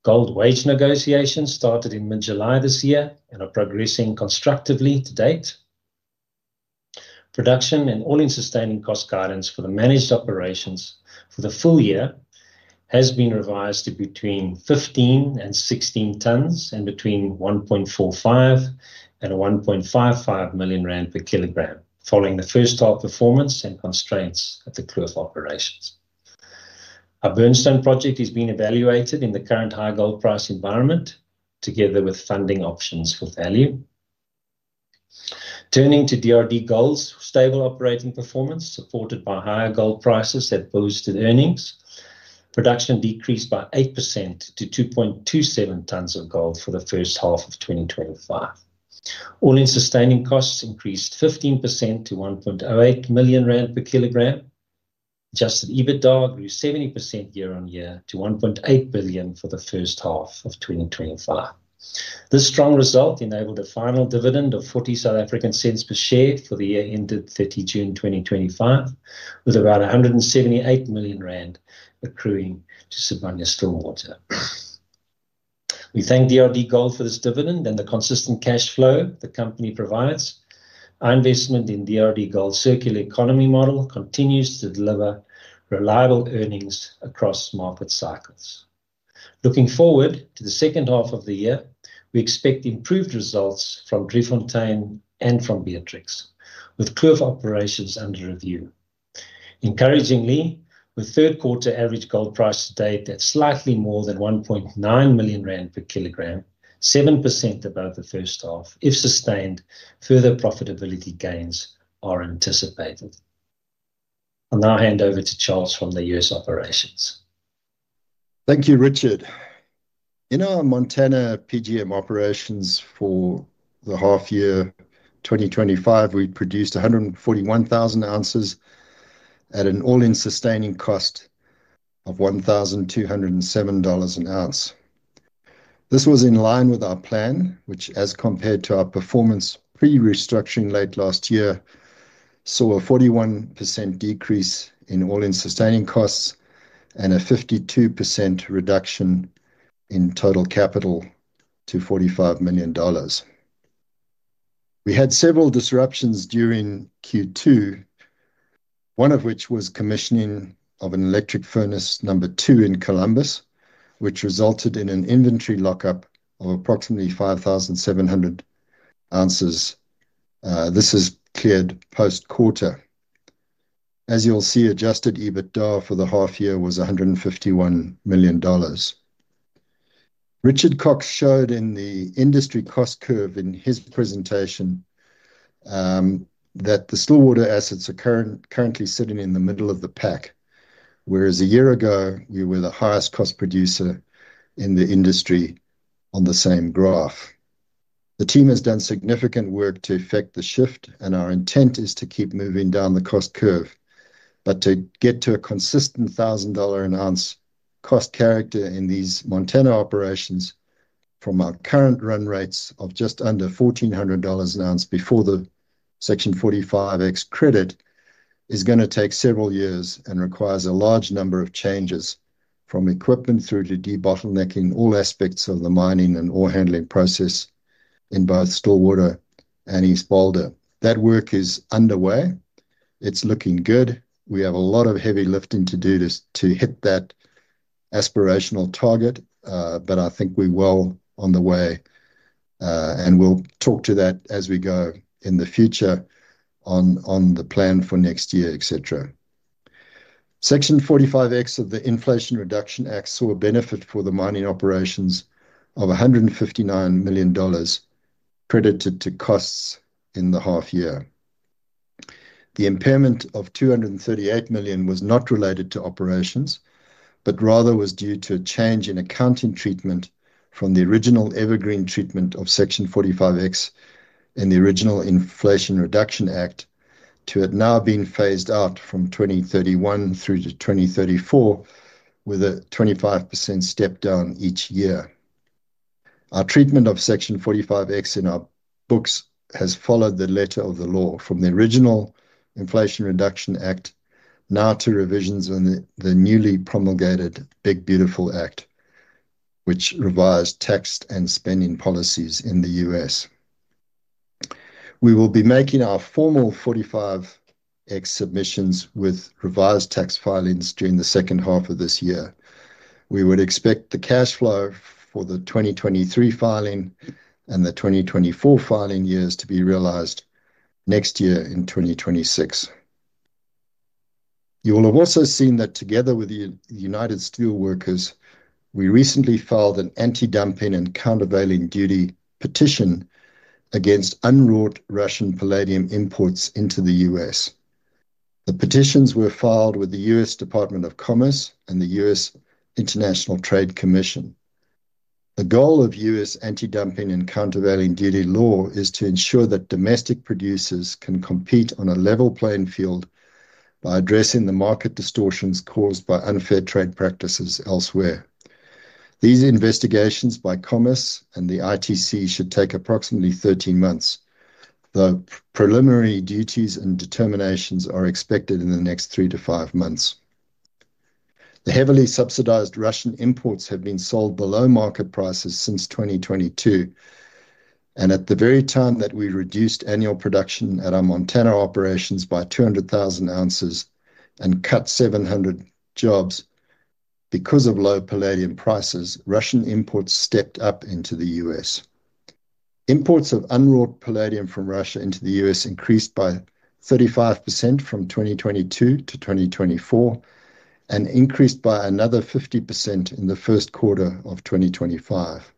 Gold wage negotiations started in mid-July this year and are progressing constructively to date. Production and all-in sustaining cost guidance for the managed operations for the full year has been revised to between 15 and 16 tons and between 1.45 million and 1.55 million rand per kilogram, following the first half performance and constraints at the Kloof operations. Our Burnstone project has been evaluated in the current high gold price environment, together with funding options for value. Turning to DRDGOLD's stable operating performance, supported by higher gold prices that boosted earnings, production decreased by 8% to 2.27 tons of gold for the first half of 2025. All-in sustaining costs increased 15% to 1.08 million rand per kilogram. Adjusted EBITDA grew 70% year on year to 1.8 billion for the first half of 2025. This strong result enabled a final dividend of 0.40 per share for the year ended 30 June 2025, with about 178 million rand accruing to Sibanye-Stillwater. We thank DRDGOLD for this dividend and the consistent cash flow the company provides. Our investment in DRDGOLD's circular economy model continues to deliver reliable earnings across market cycles. Looking forward to the second half of the year, we expect improved results from Driefontein and from Beatrix, with Kloof operations under review. Encouragingly, with third quarter average gold price to date at slightly more than 1.9 million rand per kilogram, 7% above the first half, if sustained, further profitability gains are anticipated. I'll now hand over to Charles from the U.S. operations. Thank you, Richard. In our Montana PGM operations for the half year 2025, we produced 141,000 oz at an all-in sustaining cost of $1,207 an ounce. This was in line with our plan, which, as compared to our performance pre-restructuring late last year, saw a 41% decrease in all-in sustaining costs and a 52% reduction in total capital to $45 million. We had several disruptions during Q2, one of which was commissioning of an electric furnace number two in Columbus, which resulted in an inventory lockup of approximately 5,700 oz. This is cleared post-quarter. As you'll see, adjusted EBITDA for the half year was $151 million. Richard Cox showed in the industry cost curve in his presentation that the Stillwater assets are currently sitting in the middle of the pack, whereas a year ago, you were the highest cost producer in the industry on the same graph. The team has done significant work to effect the shift, and our intent is to keep moving down the cost curve, but to get to a consistent $1,000 an ounce cost character in these Montana operations from our current run rates of just under $1,400 an ounce before the Section 45X credit is going to take several years and requires a large number of changes from equipment through to de-bottlenecking all aspects of the mining and ore handling process in both Stillwater and East Boulder. That work is underway. It's looking good. We have a lot of heavy lifting to do to hit that aspirational target, but I think we're well on the way, and we'll talk to that as we go in the future on the plan for next year, et cetera. Section 45X of the Inflation Reduction Act saw a benefit for the mining operations of $159 million credited to costs in the half year. The impairment of $238 million was not related to operations, but rather was due to a change in accounting treatment from the original evergreen treatment of Section 45X and the original Inflation Reduction Act to have now been phased out from 2031 through to 2034 with a 25% step down each year. Our treatment of Section 45X in our books has followed the letter of the law from the original Inflation Reduction Act now to revisions in the newly promulgated Big Beautiful Act, which revised tax and spending policies in the U.S. We will be making our formal 45X submissions with revised tax filings during the second half of this year. We would expect the cash flow for the 2023 filing and the 2024 filing years to be realized next year in 2026. You will have also seen that together with the United Steel Workers, we recently filed an anti-dumping and countervailing duty petition against unwrought Russian palladium imports into the U.S. The petitions were filed with the U.S. Department of Commerce and the U.S. International Trade Commission. The goal of U.S. anti-dumping and countervailing duty law is to ensure that domestic producers can compete on a level playing field by addressing the market distortions caused by unfair trade practices elsewhere. These investigations by Commerce and the ITC should take approximately 13 months, though preliminary duties and determinations are expected in the next three to five months. The heavily subsidized Russian imports have been sold below market prices since 2022, and at the very time that we reduced annual production at our Montana operations by 200,000 oz and cut 700 jobs because of low palladium prices, Russian imports stepped up into the U.S. Imports of unwrought palladium from Russia into the U.S. increased by 35% from 2022 to 2024 and increased by another 50% in the first quarter of 2025.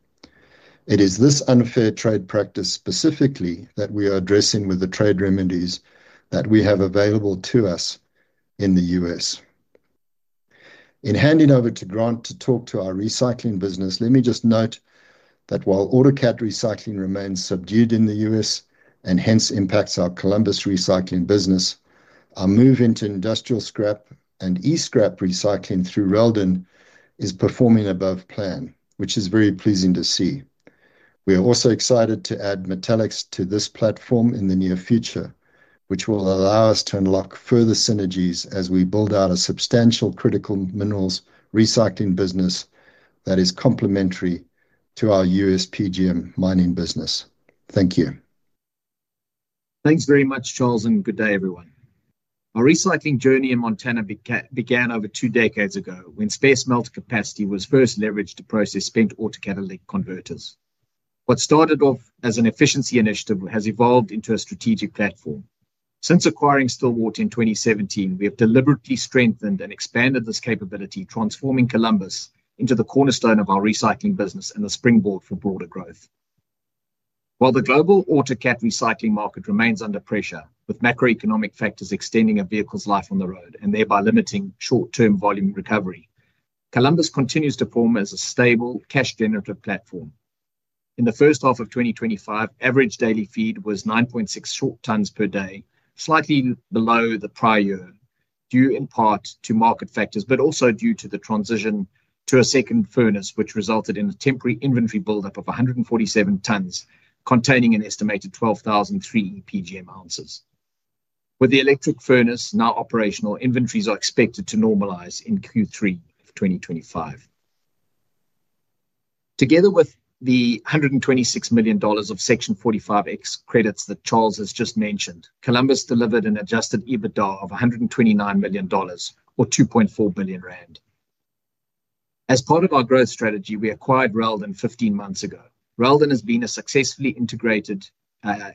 It is this unfair trade practice specifically that we are addressing with the trade remedies that we have available to us in the U.S. In handing over to Grant to talk to our recycling business, let me just note that while autocat recycling remains subdued in the U.S. and hence impacts our Columbus recycling business, our move into industrial scrap and e-scrap recycling through Reldan is performing above plan, which is very pleasing to see. We are also excited to add Metallix to this platform in the near future, which will allow us to unlock further synergies as we build out a substantial critical metals recycling business that is complementary to our U.S. PGM mining business. Thank you. Thanks very much, Charles, and good day, everyone. Our recycling journey in Montana began over two decades ago when spare smelt capacity was first leveraged to process spent autocatalytic converters. What started off as an efficiency initiative has evolved into a strategic platform. Since acquiring Stillwater in 2017, we have deliberately strengthened and expanded this capability, transforming Columbus into the cornerstone of our recycling business and the springboard for broader growth. While the global autocat recycling market remains under pressure, with macroeconomic factors extending a vehicle's life on the road and thereby limiting short-term volume recovery, Columbus continues to perform as a stable cash-generative platform. In the first half of 2025, average daily feed was 9.6 short tons per day, slightly below the prior year, due in part to market factors, but also due to the transition to a second furnace, which resulted in a temporary inventory buildup of 147 tons containing an estimated 12,300 PGM oz. With the electric furnace now operational, inventories are expected to normalize in Q3 of 2025. Together with the $126 million of Section 45X credits that Charles has just mentioned, Columbus delivered an adjusted EBITDA of $129 million, or 2.4 billion rand. As part of our growth strategy, we acquired Reldan 15 months ago. Reldan has been a successfully integrated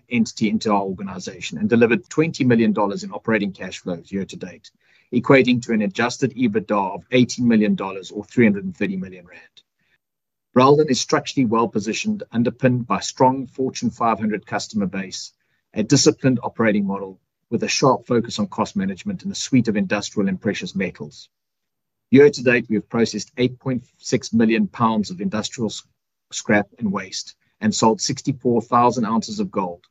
entity into our organization and delivered $20 million in operating cash flows year to date, equating to an adjusted EBITDA of $18 million, or 330 million rand. Reldan is structurally well positioned, underpinned by a strong Fortune 500 customer base, a disciplined operating model with a sharp focus on cost management in a suite of industrial and precious metals. Year to date, we have processed 8.6 million lbs of industrial scrap and waste and sold 64,000 oz of gold,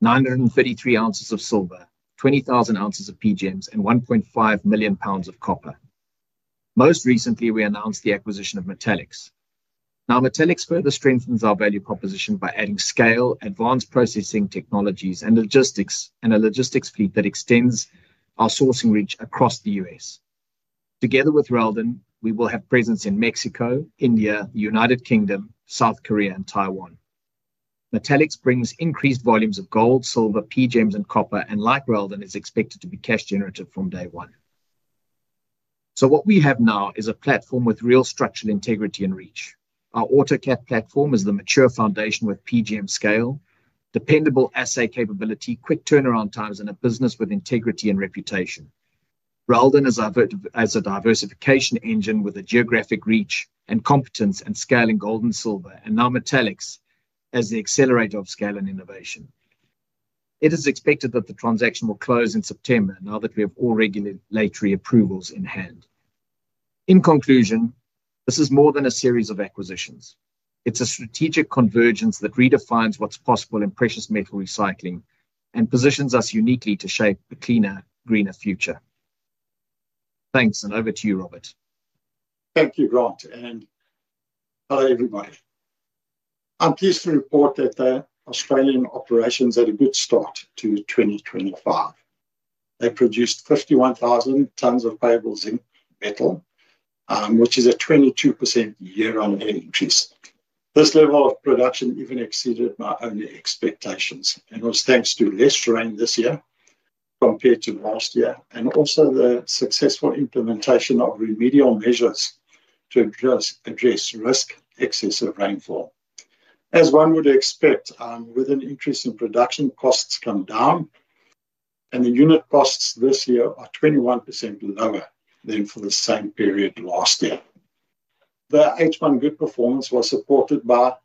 933 oz of silver, 20,000 oz of PGMs, and 1.5 million lbs of copper. Most recently, we announced the acquisition of Metallix. Now, Metallix further strengthens our value proposition by adding scale, advanced processing technologies, and a logistics fleet that extends our sourcing reach across the U.S. Together with Reldan, we will have presence in Mexico, India, the United Kingdom, South Korea, and Taiwan. Metallix brings increased volumes of gold, silver, PGMs, and copper, and like Reldan, is expected to be cash generative from day one. What we have now is a platform with real structural integrity and reach. Our autocat platform is the mature foundation with PGM scale, dependable assay capability, quick turnaround times, and a business with integrity and reputation. Reldan is a diversification engine with a geographic reach and competence in scaling gold and silver, and now Metallix as the accelerator of scale and innovation. It is expected that the transaction will close in September now that we have all regulatory approvals in hand. In conclusion, this is more than a series of acquisitions. It's a strategic convergence that redefines what's possible in precious metal recycling and positions us uniquely to shape a cleaner, greener future. Thanks, and over to you, Robert. Thank you, Grant, and hello, everybody. I'm pleased to report that Australian operations had a good start to 2025. They produced 51,000 tons of payables in metal, which is a 22% year-on-year increase. This level of production even exceeded my own expectations, and it was thanks to less rain this year compared to last year and also the successful implementation of remedial measures to address risk of excessive rainfall. As one would expect, with an increase in production, costs come down, and the unit costs this year are 21% lower than for the same period last year. The H1 good performance was supported by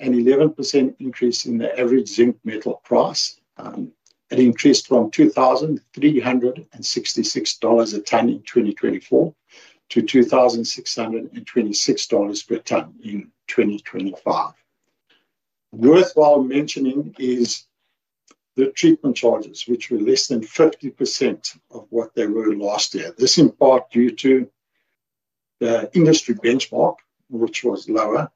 an 11% increase in the average zinc metal price. It increased from $2,366 a tonne in 2024 to $2,626 per tonne in 2025. Worthwhile mentioning is the treatment charges, which were less than 50% of what they were last year. This is in part due to the industry benchmark, which was lower,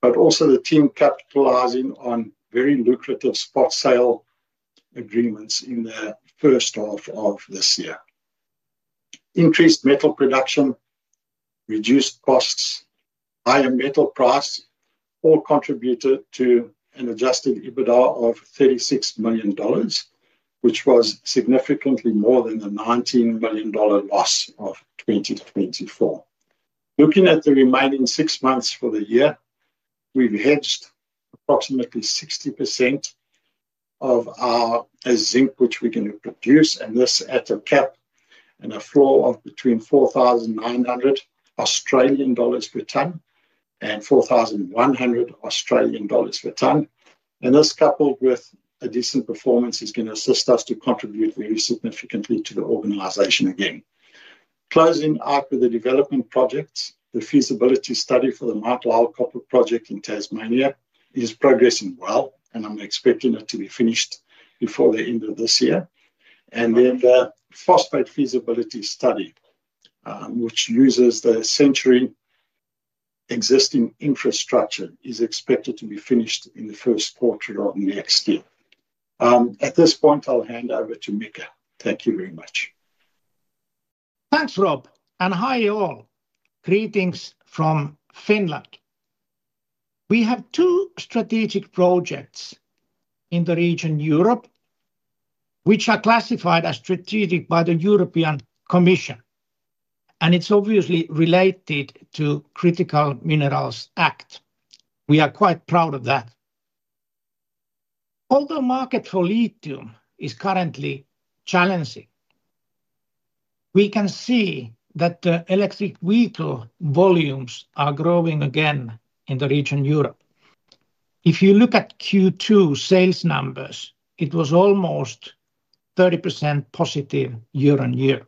but also the team capitalizing on very lucrative spot sale agreements in the first half of this year. Increased metal production, reduced costs, higher metal price all contributed to an adjusted EBITDA of $36 million, which was significantly more than the $19 million loss of 2024. Looking at the remaining six months for the year, we've hedged approximately 60% of our zinc, which we're going to produce, and this adds a cap and a flow of between 4,900 Australian dollars per tonne and 4,100 Australian dollars per tonne. This coupled with a decent performance is going to assist us to contribute really significantly to the organization again. Closing out with the development projects, the feasibility study for the Map Wow Copper Project in Tasmania is progressing well, and I'm expecting it to be finished before the end of this year. The phosphate feasibility study, which uses the Century existing infrastructure, is expected to be finished in the first quarter of next year. At this point, I'll hand over to Mikko. Thank you very much. Thanks, Rob, and hi all. Greetings from Finland. We have two strategic projects in the region, Europe, which are classified as strategic by the European Commission, and it's obviously related to critical minerals. We are quite proud of that. Although market volume is currently challenging, we can see that the electric vehicle volumes are growing again in the region of Europe. If you look at Q2 sales numbers, it was almost 30%+ year on year.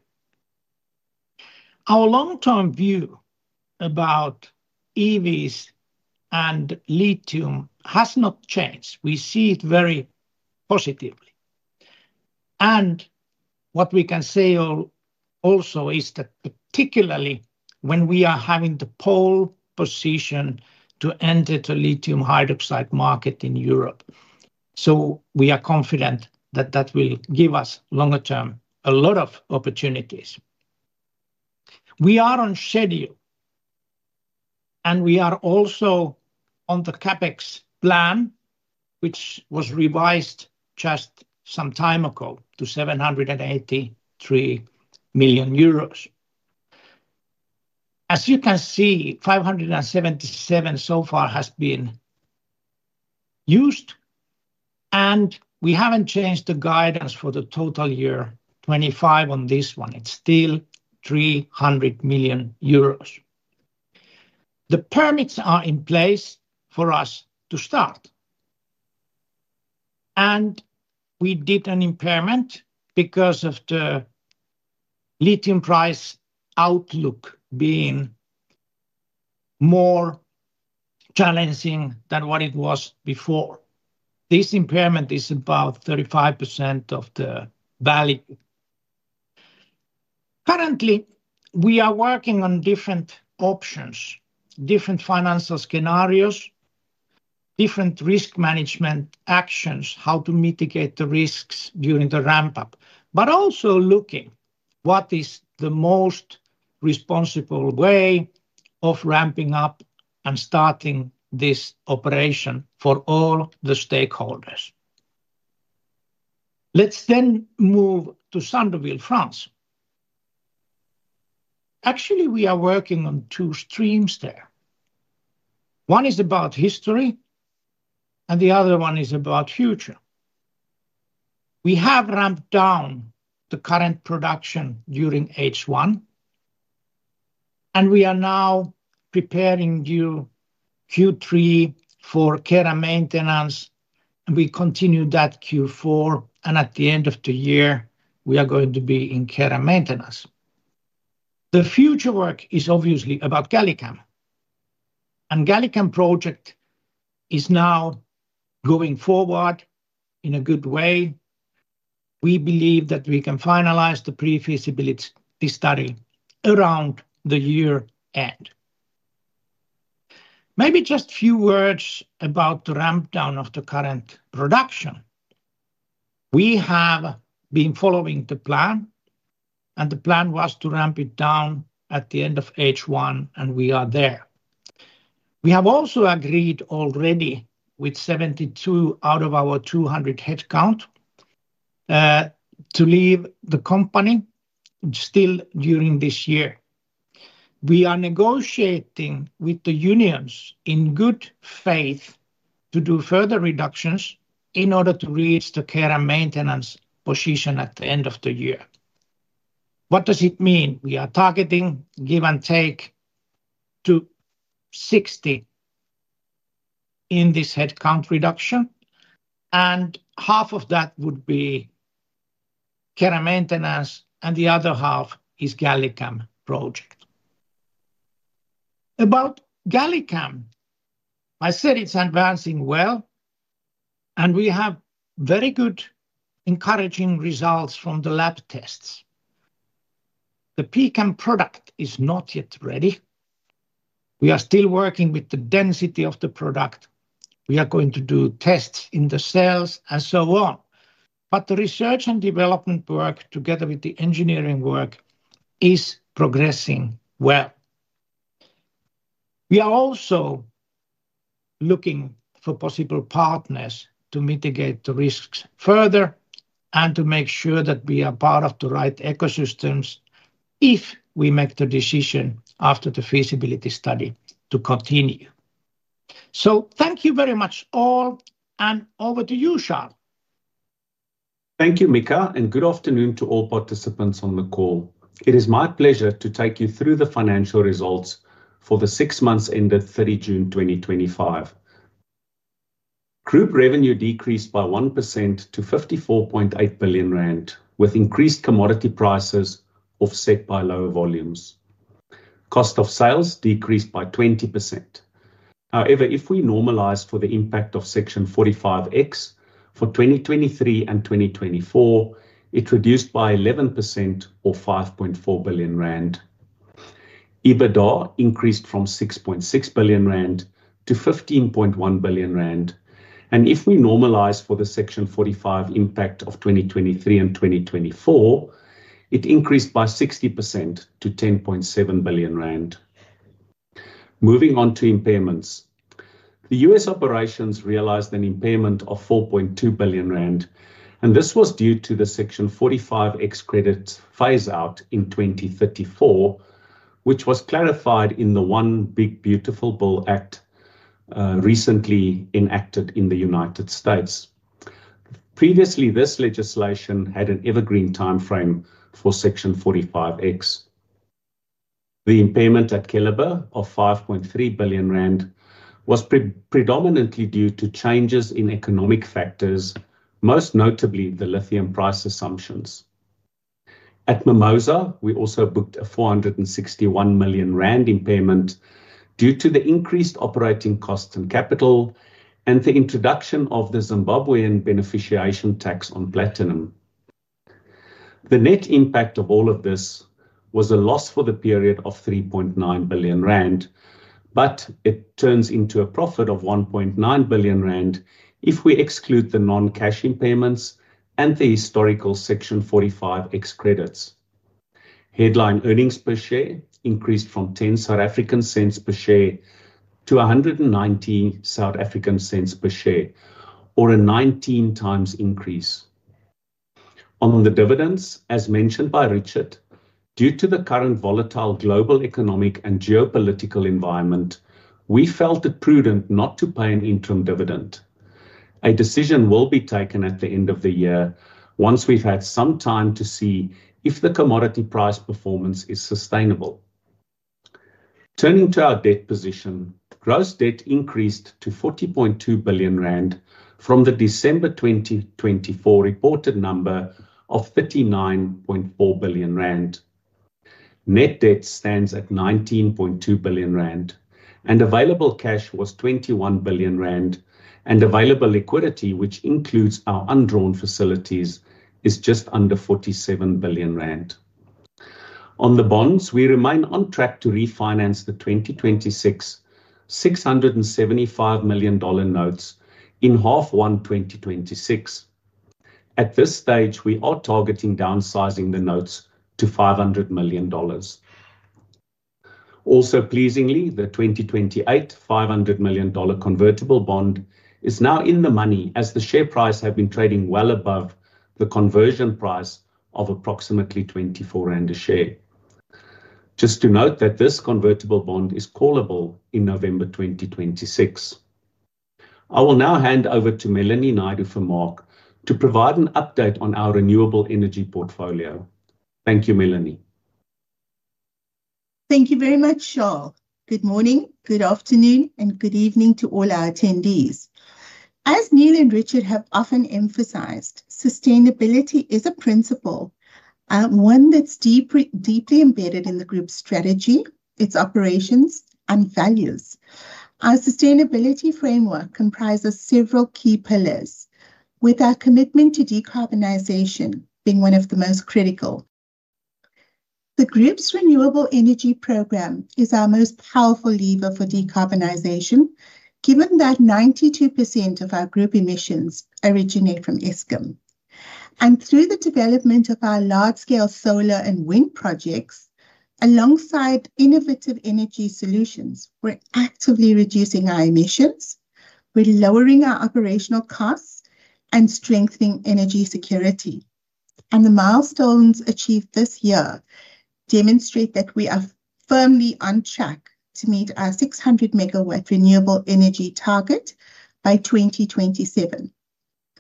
Our long-term view about EVs and lithium has not changed. We see it very positively. What we can say also is that particularly when we are having the pole position to enter the lithium hydroxide market in Europe. We are confident that that will give us longer term a lot of opportunities. We are on schedule, and we are also on the CapEx plan, which was revised just some time ago to 783 million euros. As you can see, 577 million so far has been used. We haven't changed the guidance for the total year 2025 on this one. It's still 300 million euros. The permits are in place for us to start. We did an impairment because of the lithium price outlook being more challenging than what it was before. This impairment is about 35% of the value. Currently, we are working on different options, different financial scenarios, different risk management actions, how to mitigate the risks during the ramp-up. Also looking at what is the most responsible way of ramping up and starting this operation for all the stakeholders. Let's then move to Sandouville, France. Actually, we are working on two streams there. One is about history, and the other one is about future. We have ramped down the current production during H1, and we are now preparing during Q3 for care and maintenance. We continue that in Q4, and at the end of the year, we are going to be in care and maintenance. The future work is obviously about GalliCam. The GalliCam project is now going forward in a good way. We believe that we can finalize the pre-feasibility study around the year end. Maybe just a few words about the ramp-down of the current production. We have been following the plan, and the plan was to ramp it down at the end of H1, and we are there. We have also agreed already with 72 out of our 200 headcount to leave the company still during this year. We are negotiating with the unions in good faith to do further reductions in order to reach the care and maintenance position at the end of the year. What does it mean? We are targeting, give and take, to 60 in this headcount reduction, and half of that would be care and maintenance, and the other half is GalliCam project. About GalliCam, I said it's advancing well, and we have very good encouraging results from the lab tests. The pCAM product is not yet ready. We are still working with the density of the product. We are going to do tests in the cells and so on. The research and development work, together with the engineering work, is progressing well. We are also looking for possible partners to mitigate the risks further and to make sure that we are part of the right ecosystems if we make the decision after the feasibility study to continue. Thank you very much all. Over to you, Charles. Thank you, Mika, and good afternoon to all participants on the call. It is my pleasure to take you through the financial results for the six months ended 30 June 2025. Group revenue decreased by 1% to 54.8 billion rand, with increased commodity prices offset by lower volumes. Cost of sales decreased by 20%. However, if we normalize for the impact of Section 45X for 2023 and 2024, it reduced by 11% or 5.4 billion rand. EBITDA increased from 6.6 billion rand to 15.1 billion rand. If we normalize for the Section 45X impact of 2023 and 2024, it increased by 60% to 10.7 billion rand. Moving on to impairments, the U.S. operations realized an impairment of 4.2 billion rand. This was due to the Section 45X credit phase-out in 2034, which was clarified in the One Big Beautiful Bill Act recently enacted in the United States. Previously, this legislation had an evergreen timeframe for Section 45X. The impairment at Keliber of R5.3 billion was predominantly due to changes in economic factors, most notably the lithium price assumptions. At Mimosa, we also booked a 461 million rand impairment due to the increased operating costs and capital and the introduction of the Zimbabwean beneficiation tax on platinum. The net impact of all of this was a loss for the period of 3.9 billion rand, but it turns into a profit of 1.9 billion rand if we exclude the non-cash impairments and the historical Section 45X credits. Headline earnings per share increased from 0.10 per share to 1.19 per share, or a 19x increase. On the dividends, as mentioned by Richard, due to the current volatile global economic and geopolitical environment, we felt it prudent not to pay an interim dividend. A decision will be taken at the end of the year once we've had some time to see if the commodity price performance is sustainable. Turning to our debt position, gross debt increased to 40.2 billion rand from the December 2024 reported number of 39.4 billion rand. Net debt stands at 19.2 billion rand, and available cash was 21 billion rand, and available liquidity, which includes our undrawn facilities, is just under 47 billion rand. On the bonds, we remain on track to refinance the 2026 $675 million notes in H1 2026. At this stage, we are targeting downsizing the notes to $500 million. Also, pleasingly, the 2028 $500 million convertible bond is now in the money as the share price has been trading well above the conversion price of approximately 24 rand per share. Just to note that this convertible bond is callable in November 2026. I will now hand over to Melanie Naidoo-Vermaak to provide an update on our renewable energy portfolio. Thank you, Melanie. Thank you very much, Charl. Good morning, good afternoon, and good evening to all our attendees. As Neal and Richard have often emphasized, sustainability is a principle, one that's deeply embedded in the group's strategy, its operations, and values. Our sustainability framework comprises several key pillars, with our commitment to decarbonization being one of the most critical. The group's renewable energy program is our most powerful lever for decarbonization, given that 92% of our group emissions originate from Eskom. Through the development of our large-scale solar and wind projects, alongside innovative energy solutions, we're actively reducing our emissions, lowering our operational costs, and strengthening energy security. The milestones achieved this year demonstrate that we are firmly on track to meet our 600 MW renewable energy target by 2027.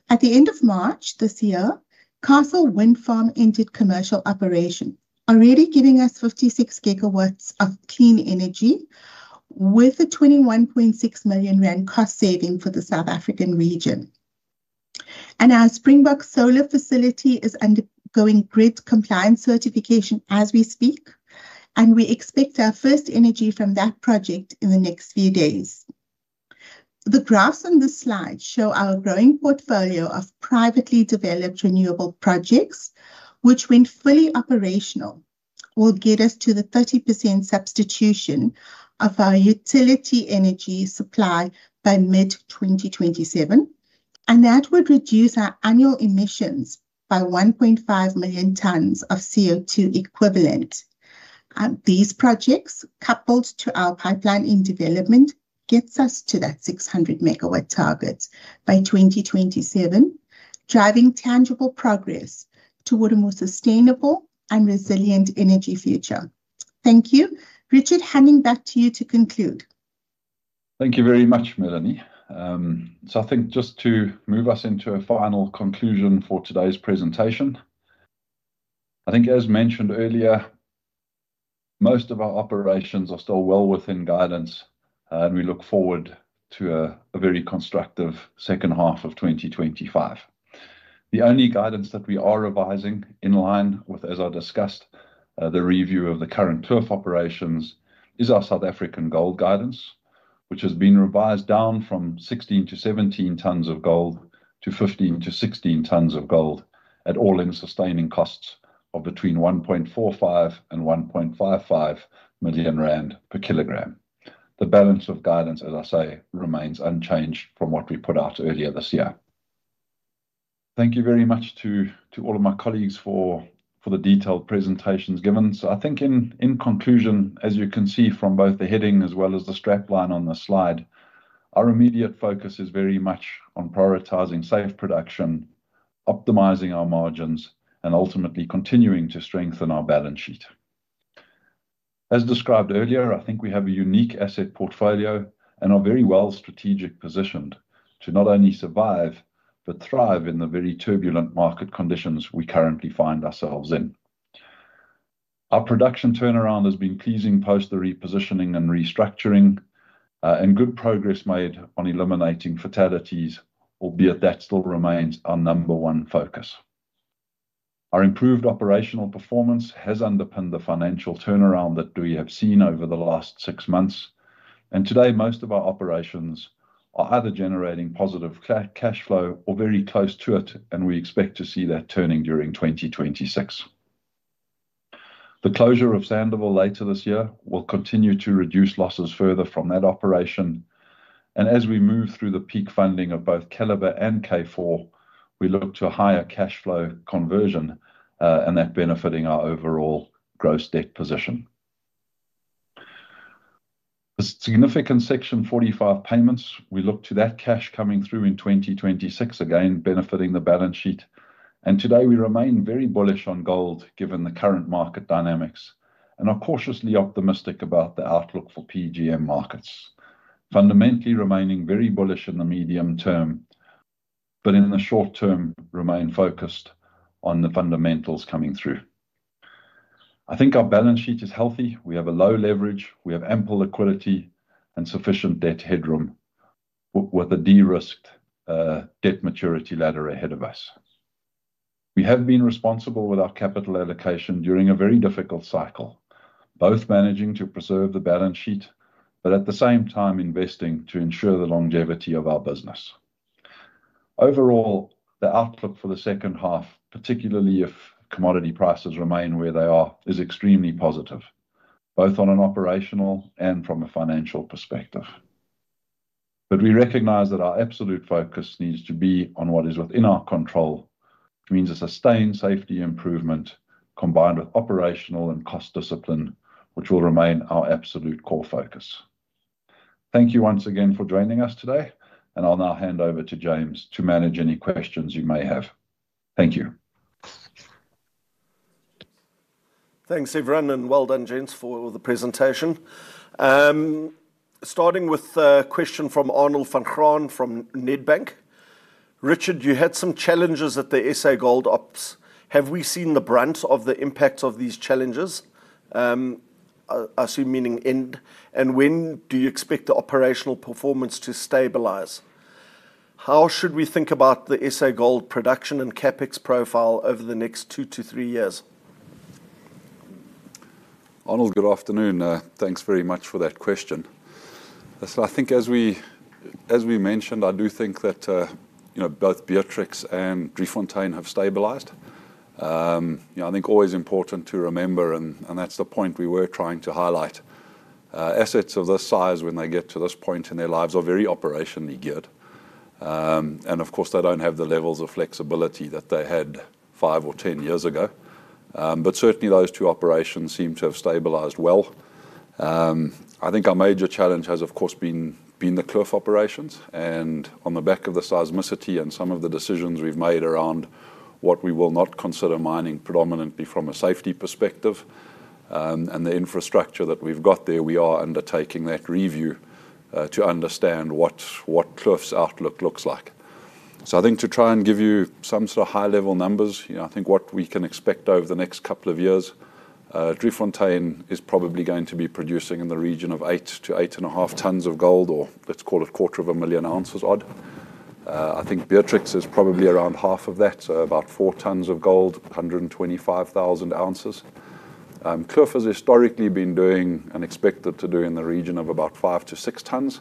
At the end of March this year, Castle Wind Farm entered commercial operation, already giving us 56 GW of clean energy with a 21.6 million rand cost saving for the South African region. Our Springbok Solar facility is undergoing grid compliance certification as we speak, and we expect our first energy from that project in the next few days. The graphs on this slide show our growing portfolio of privately developed renewable projects, which, when fully operational, will get us to the 30% substitution of our utility energy supply by mid-2027. That will reduce our annual emissions by 1.5 million tons of CO2 equivalent. These projects, coupled to our pipeline in development, get us to that 600 MW target by 2027, driving tangible progress toward a more sustainable and resilient energy future. Thank you. Richard, handing back to you to conclude. Thank you very much, Melanie. I think just to move us into a final conclusion for today's presentation. I think as mentioned earlier, most of our operations are still well within guidance, and we look forward to a very constructive second half of 2025. The only guidance that we are revising in line with, as I discussed, the review of the current turf operations is our South African gold guidance, which has been revised down from 16-17 tons of gold to 15-16 tons of gold, at all-in sustaining costs of between 1.45 million and 1.55 million rand per kilogram. The balance of guidance, as I say, remains unchanged from what we put out earlier this year. Thank you very much to all of my colleagues for the detailed presentations given. I think in conclusion, as you can see from both the heading as well as the strapline on the slide, our immediate focus is very much on prioritizing safe production, optimizing our margins, and ultimately continuing to strengthen our balance sheet. As described earlier, I think we have a unique asset portfolio and are very well strategically positioned to not only survive but thrive in the very turbulent market conditions we currently find ourselves in. Our production turnaround has been pleasing post the repositioning and restructuring, and good progress made on eliminating fatalities, albeit that still remains our number one focus. Our improved operational performance has underpinned the financial turnaround that we have seen over the last six months. Today, most of our operations are either generating positive cash flow or very close to it, and we expect to see that turning during 2026. The closure of Sandouville later this year will continue to reduce losses further from that operation. As we move through the peak funding of both Keliber and K4, we look to a higher cash flow conversion, and that benefiting our overall gross debt position. The significant Section 45X payments, we look to that cash coming through in 2026, again benefiting the balance sheet. Today, we remain very bullish on gold given the current market dynamics. I'm cautiously optimistic about the outlook for PGM markets, fundamentally remaining very bullish in the medium term, but in the short term, remain focused on the fundamentals coming through. I think our balance sheet is healthy. We have a low leverage, we have ample liquidity, and sufficient debt headroom with a derisked debt maturity ladder ahead of us. We have been responsible with our capital allocation during a very difficult cycle, both managing to preserve the balance sheet, but at the same time, investing to ensure the longevity of our business. Overall, the outlook for the second half, particularly if commodity prices remain where they are, is extremely positive, both on an operational and from a financial perspective. We recognize that our absolute focus needs to be on what is within our control, which means a sustained safety improvement combined with operational and cost discipline, which will remain our absolute core focus. Thank you once again for joining us today. I'll now hand over to James to manage any questions you may have. Thank you. Thanks, everyone, and well done, James, for the presentation. Starting with a question from Arnold Van Gron from Nedbank. Richard, you had some challenges at the S.A. gold ops. Have we seen the brunt of the impacts of these challenges? I assume meaning end. When do you expect the operational performance to stabilize? How should we think about the S.A. gold production and CapEx profile over the next two to three years? Arnold, good afternoon. Thanks very much for that question. I think as we mentioned, I do think that both Beatrix and Driefontein have stabilized. I think it is always important to remember, and that's the point we were trying to highlight, assets of this size when they get to this point in their lives are very operationally geared. Of course, they don't have the levels of flexibility that they had five or ten years ago. Certainly, those two operations seem to have stabilized well. I think our major challenge has, of course, been the Kloof operations. On the back of the seismicity and some of the decisions we've made around what we will not consider mining predominantly from a safety perspective, and the infrastructure that we've got there, we are undertaking that review to understand what Kloof's outlook looks like. I think to try and give you some sort of high-level numbers, I think what we can expect over the next couple of years, Driefontein is probably going to be producing in the region of eight to eight and a half tons of gold, or let's call it a quarter of a million ounces odd. I think Beatrix is probably around half of that, so about four tons of gold, 125,000 oz. Kloof has historically been doing and expected to do in the region of about five to six tons.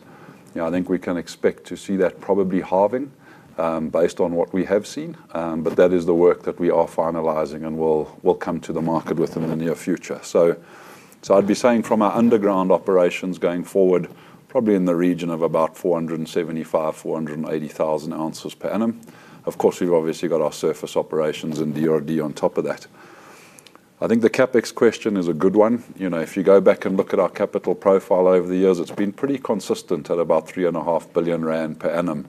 I think we can expect to see that probably halving based on what we have seen. That is the work that we are finalizing and will come to the market within the near future. I'd be saying from our underground operations going forward, probably in the region of about 475,000 oz-480,000 oz per annum. Of course, we've obviously got our surface operations and DRDGOLD on top of that. I think the CapEx question is a good one. If you go back and look at our capital profile over the years, it's been pretty consistent at about 3.5 billion rand per annum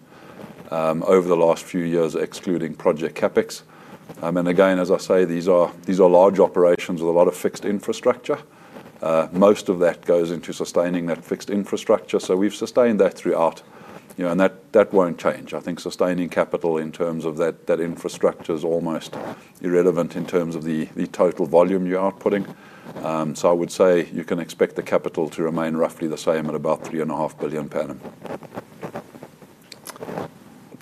over the last few years, excluding project CapEx. As I say, these are large operations with a lot of fixed infrastructure. Most of that goes into sustaining that fixed infrastructure. We've sustained that throughout, and that won't change. I think sustaining capital in terms of that infrastructure is almost irrelevant in terms of the total volume you're outputting. I would say you can expect the capital to remain roughly the same at about 3.5 billion per annum.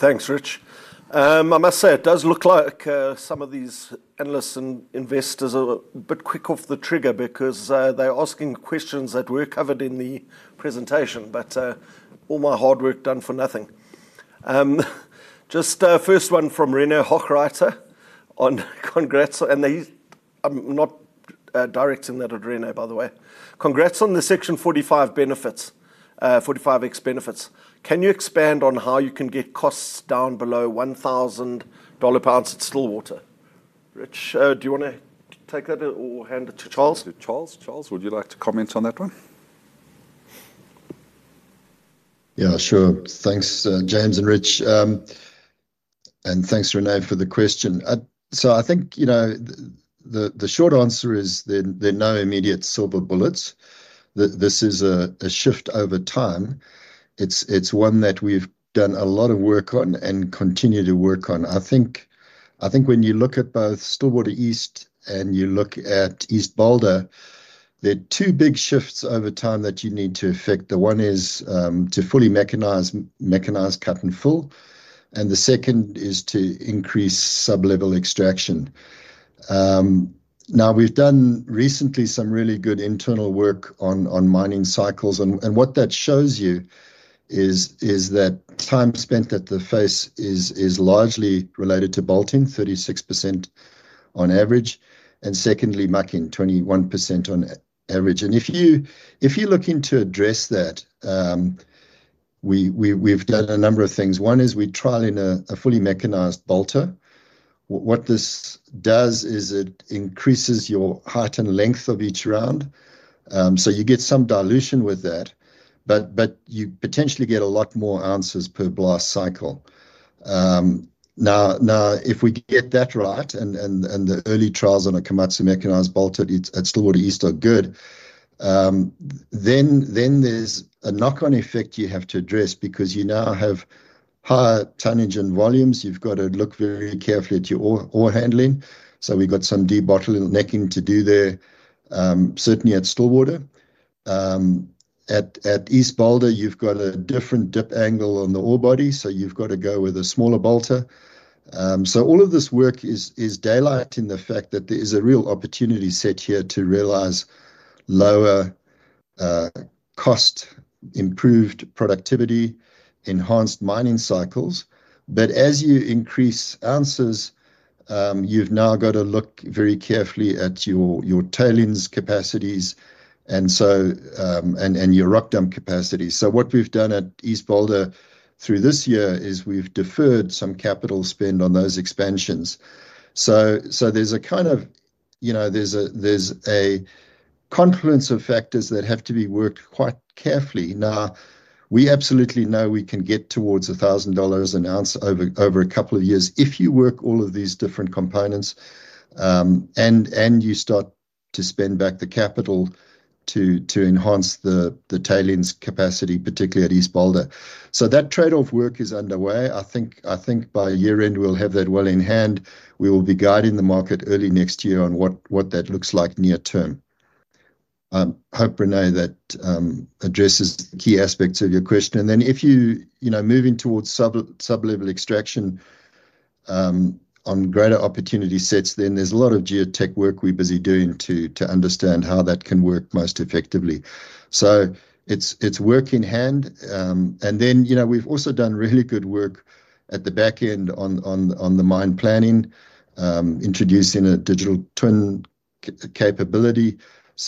Thanks, Rich. I must say it does look like some of these endless investors are a bit quick off the trigger because they're asking questions that were covered in the presentation. All my hard work done for nothing. Just a first one from Rene Hochreiter on congrats. I'm not directing that at Rene, by the way. Congrats on the Section 45X benefits. Can you expand on how you can get costs down below $1,000 per ounce at Stillwater? Rich, do you want to take that or hand it to Charles? To Charles. Charles, would you like to comment on that one? Yeah, sure. Thanks, James and Rich. Thanks, Rene, for the question. I think the short answer is there are no immediate silver bullets. This is a shift over time. It's one that we've done a lot of work on and continue to work on. I think when you look at both Stillwater East and you look at East Boulder, there are two big shifts over time that you need to effect. The one is to fully mechanize cut and fill. The second is to increase sub-level extraction. We've done recently some really good internal work on mining cycles. What that shows you is that time spent at the face is largely related to bolting, 36% on average, and secondly, mucking, 21% on average. If you look to address that, we've done a number of things. One is we are trialing a fully mechanized bolter. What this does is it increases your height and length of each round. You get some dilution with that, but you potentially get a lot more ounces per blast cycle. If we get that right and the early trials on a Komatsu mechanized bolter at Stillwater East are good, then there's a knock-on effect you have to address because you now have higher tonnage and volumes. You've got to look very carefully at your ore handling. We've got some debottlenecking to do there, certainly at Stillwater. At East Boulder, you've got a different dip angle on the ore body, so you've got to go with a smaller bolter. All of this work is daylighting the fact that there is a real opportunity set here to realize lower cost, improved productivity, enhanced mining cycles. As you increase ounces, you've now got to look very carefully at your tailings capacities and your rock dump capacities. What we've done at East Boulder through this year is we've deferred some capital spend on those expansions. There's a kind of confluence of factors that have to be worked quite carefully. We absolutely know we can get towards $1,000 an ounce over a couple of years if you work all of these different components and you start to spend back the capital to enhance the tailings capacity, particularly at East Boulder. That trade-off work is underway. I think by year end, we'll have that well in hand. We will be guiding the market early next year on what that looks like near term. I hope, Rene, that addresses key aspects of your question. If you move into sub-level extraction on greater opportunity sets, there's a lot of geotech work we're busy doing to understand how that can work most effectively. It's work in hand. We've also done really good work at the back end on the mine planning, introducing a digital twin capability.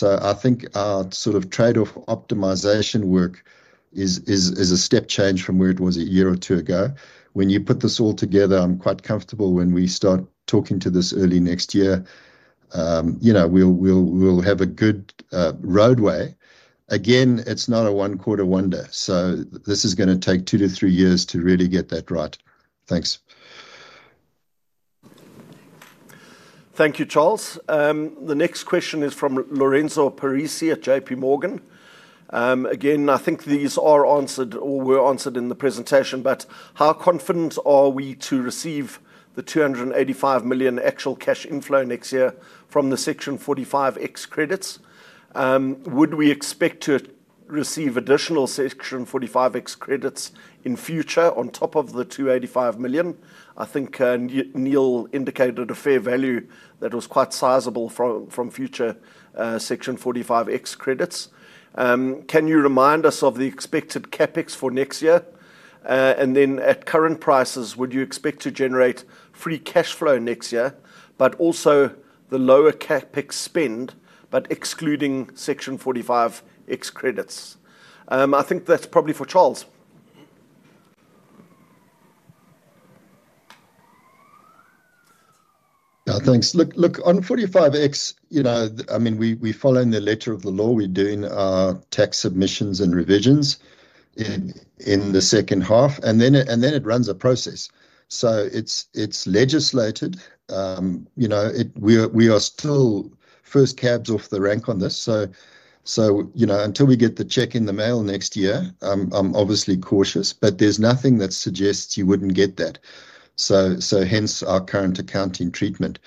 I think our sort of trade-off optimization work is a step change from where it was a year or two ago. When you put this all together, I'm quite comfortable when we start talking to this early next year, we'll have a good roadway. It's not a one-quarter wonder. This is going to take two to three years to really get that right. Thanks. Thank you, Charles. The next question is from Lorenzo Parisi at JPMorgan. Again, I think these are answered or were answered in the presentation, but how confident are we to receive the $285 million actual cash inflow next year from the Section 45X credits? Would we expect to receive additional Section 45X credits in future on top of the $285 million? I think Neal indicated a fair value that was quite sizable from future Section 45X credits. Can you remind us of the expected CapEx for next year? At current prices, would you expect to generate free cash flow next year, but also the lower CapEx spend, but excluding Section 45X credits? I think that's probably for Charles. Thanks. Look, on Section 45X credits, I mean, we follow in the letter of the law. We're doing our tax submissions and revisions in the second half, and then it runs a process. It is legislated. We are still first cabs off the rank on this. Until we get the check in the mail next year, I'm obviously cautious, but there's nothing that suggests you wouldn't get that. Hence our current accounting treatment.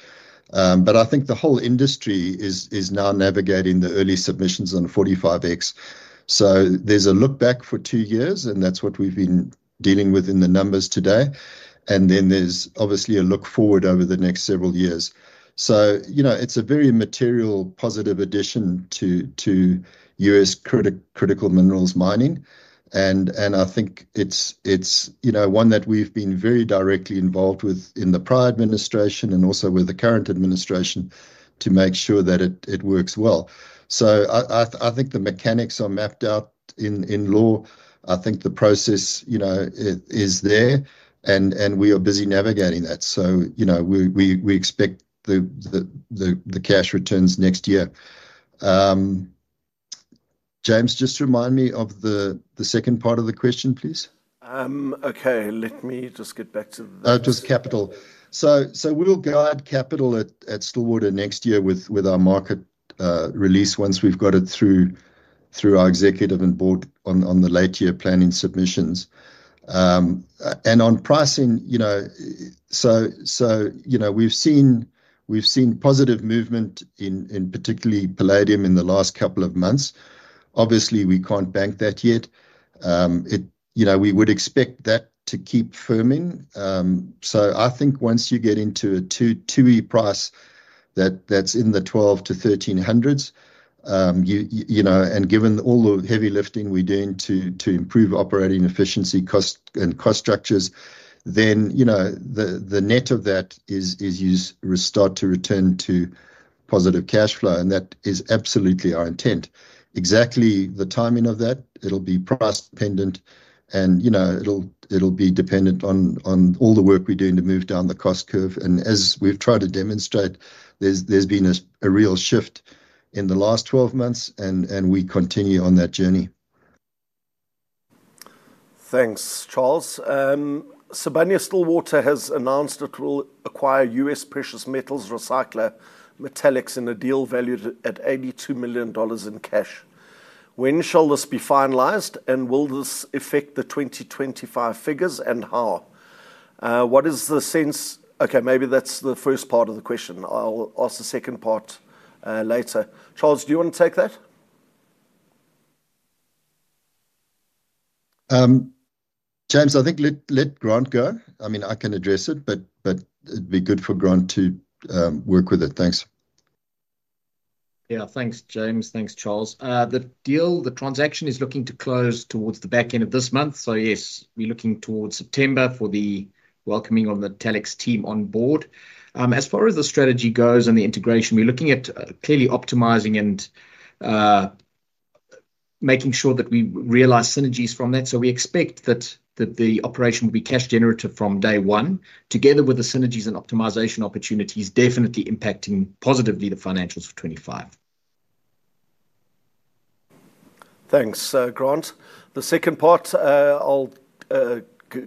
I think the whole industry is now navigating the early submissions on 45X. There is a look back for two years, and that's what we've been dealing with in the numbers today. There is obviously a look forward over the next several years. It is a very material positive addition to U.S. critical minerals mining, and I think it's one that we've been very directly involved with in the prior administration and also with the current administration to make sure that it works well. I think the mechanics are mapped out in law. I think the process is there, and we are busy navigating that. We expect the cash returns next year. James, just remind me of the second part of the question, please. OK, let me just get back to the. Just capital. We'll guide capital at Stillwater next year with our market release once we've got it through our executive and board on the late-year planning submissions. On pricing, we've seen positive movement in particularly palladium in the last couple of months. Obviously, we can't bank that yet. We would expect that to keep firming. I think once you get into a two-year price that's in the $1,200-$1,300 range, and given all the heavy lifting we're doing to improve operating efficiency and cost structures, the net of that is you start to return to positive cash flow. That is absolutely our intent. Exactly the timing of that, it'll be price-dependent, and it'll be dependent on all the work we're doing to move down the cost curve. As we've tried to demonstrate, there's been a real shift in the last 12 months, and we continue on that journey. Thanks, Charles. Sibanye-Stillwater has announced it will acquire U.S. precious metals recycler Metallix in a deal valued at $82 million in cash. When shall this be finalized, and will this affect the 2025 figures, and how? What is the sense? OK, maybe that's the first part of the question. I'll ask the second part later. Charles, do you want to take that? James, I think let Grant go. I mean, I can address it, but it'd be good for Grant to work with it. Thanks. Yeah, thanks, James. Thanks, Charles. The deal, the transaction is looking to close towards the back end of this month. Yes, we're looking towards September for the welcoming of the Metallix team on board. As far as the strategy goes and the integration, we're looking at clearly optimizing and making sure that we realize synergies from that. We expect that the operation will be cash generative from day one, together with the synergies and optimization opportunities definitely impacting positively the financials of 2025. Thanks, Grant. The second part I'll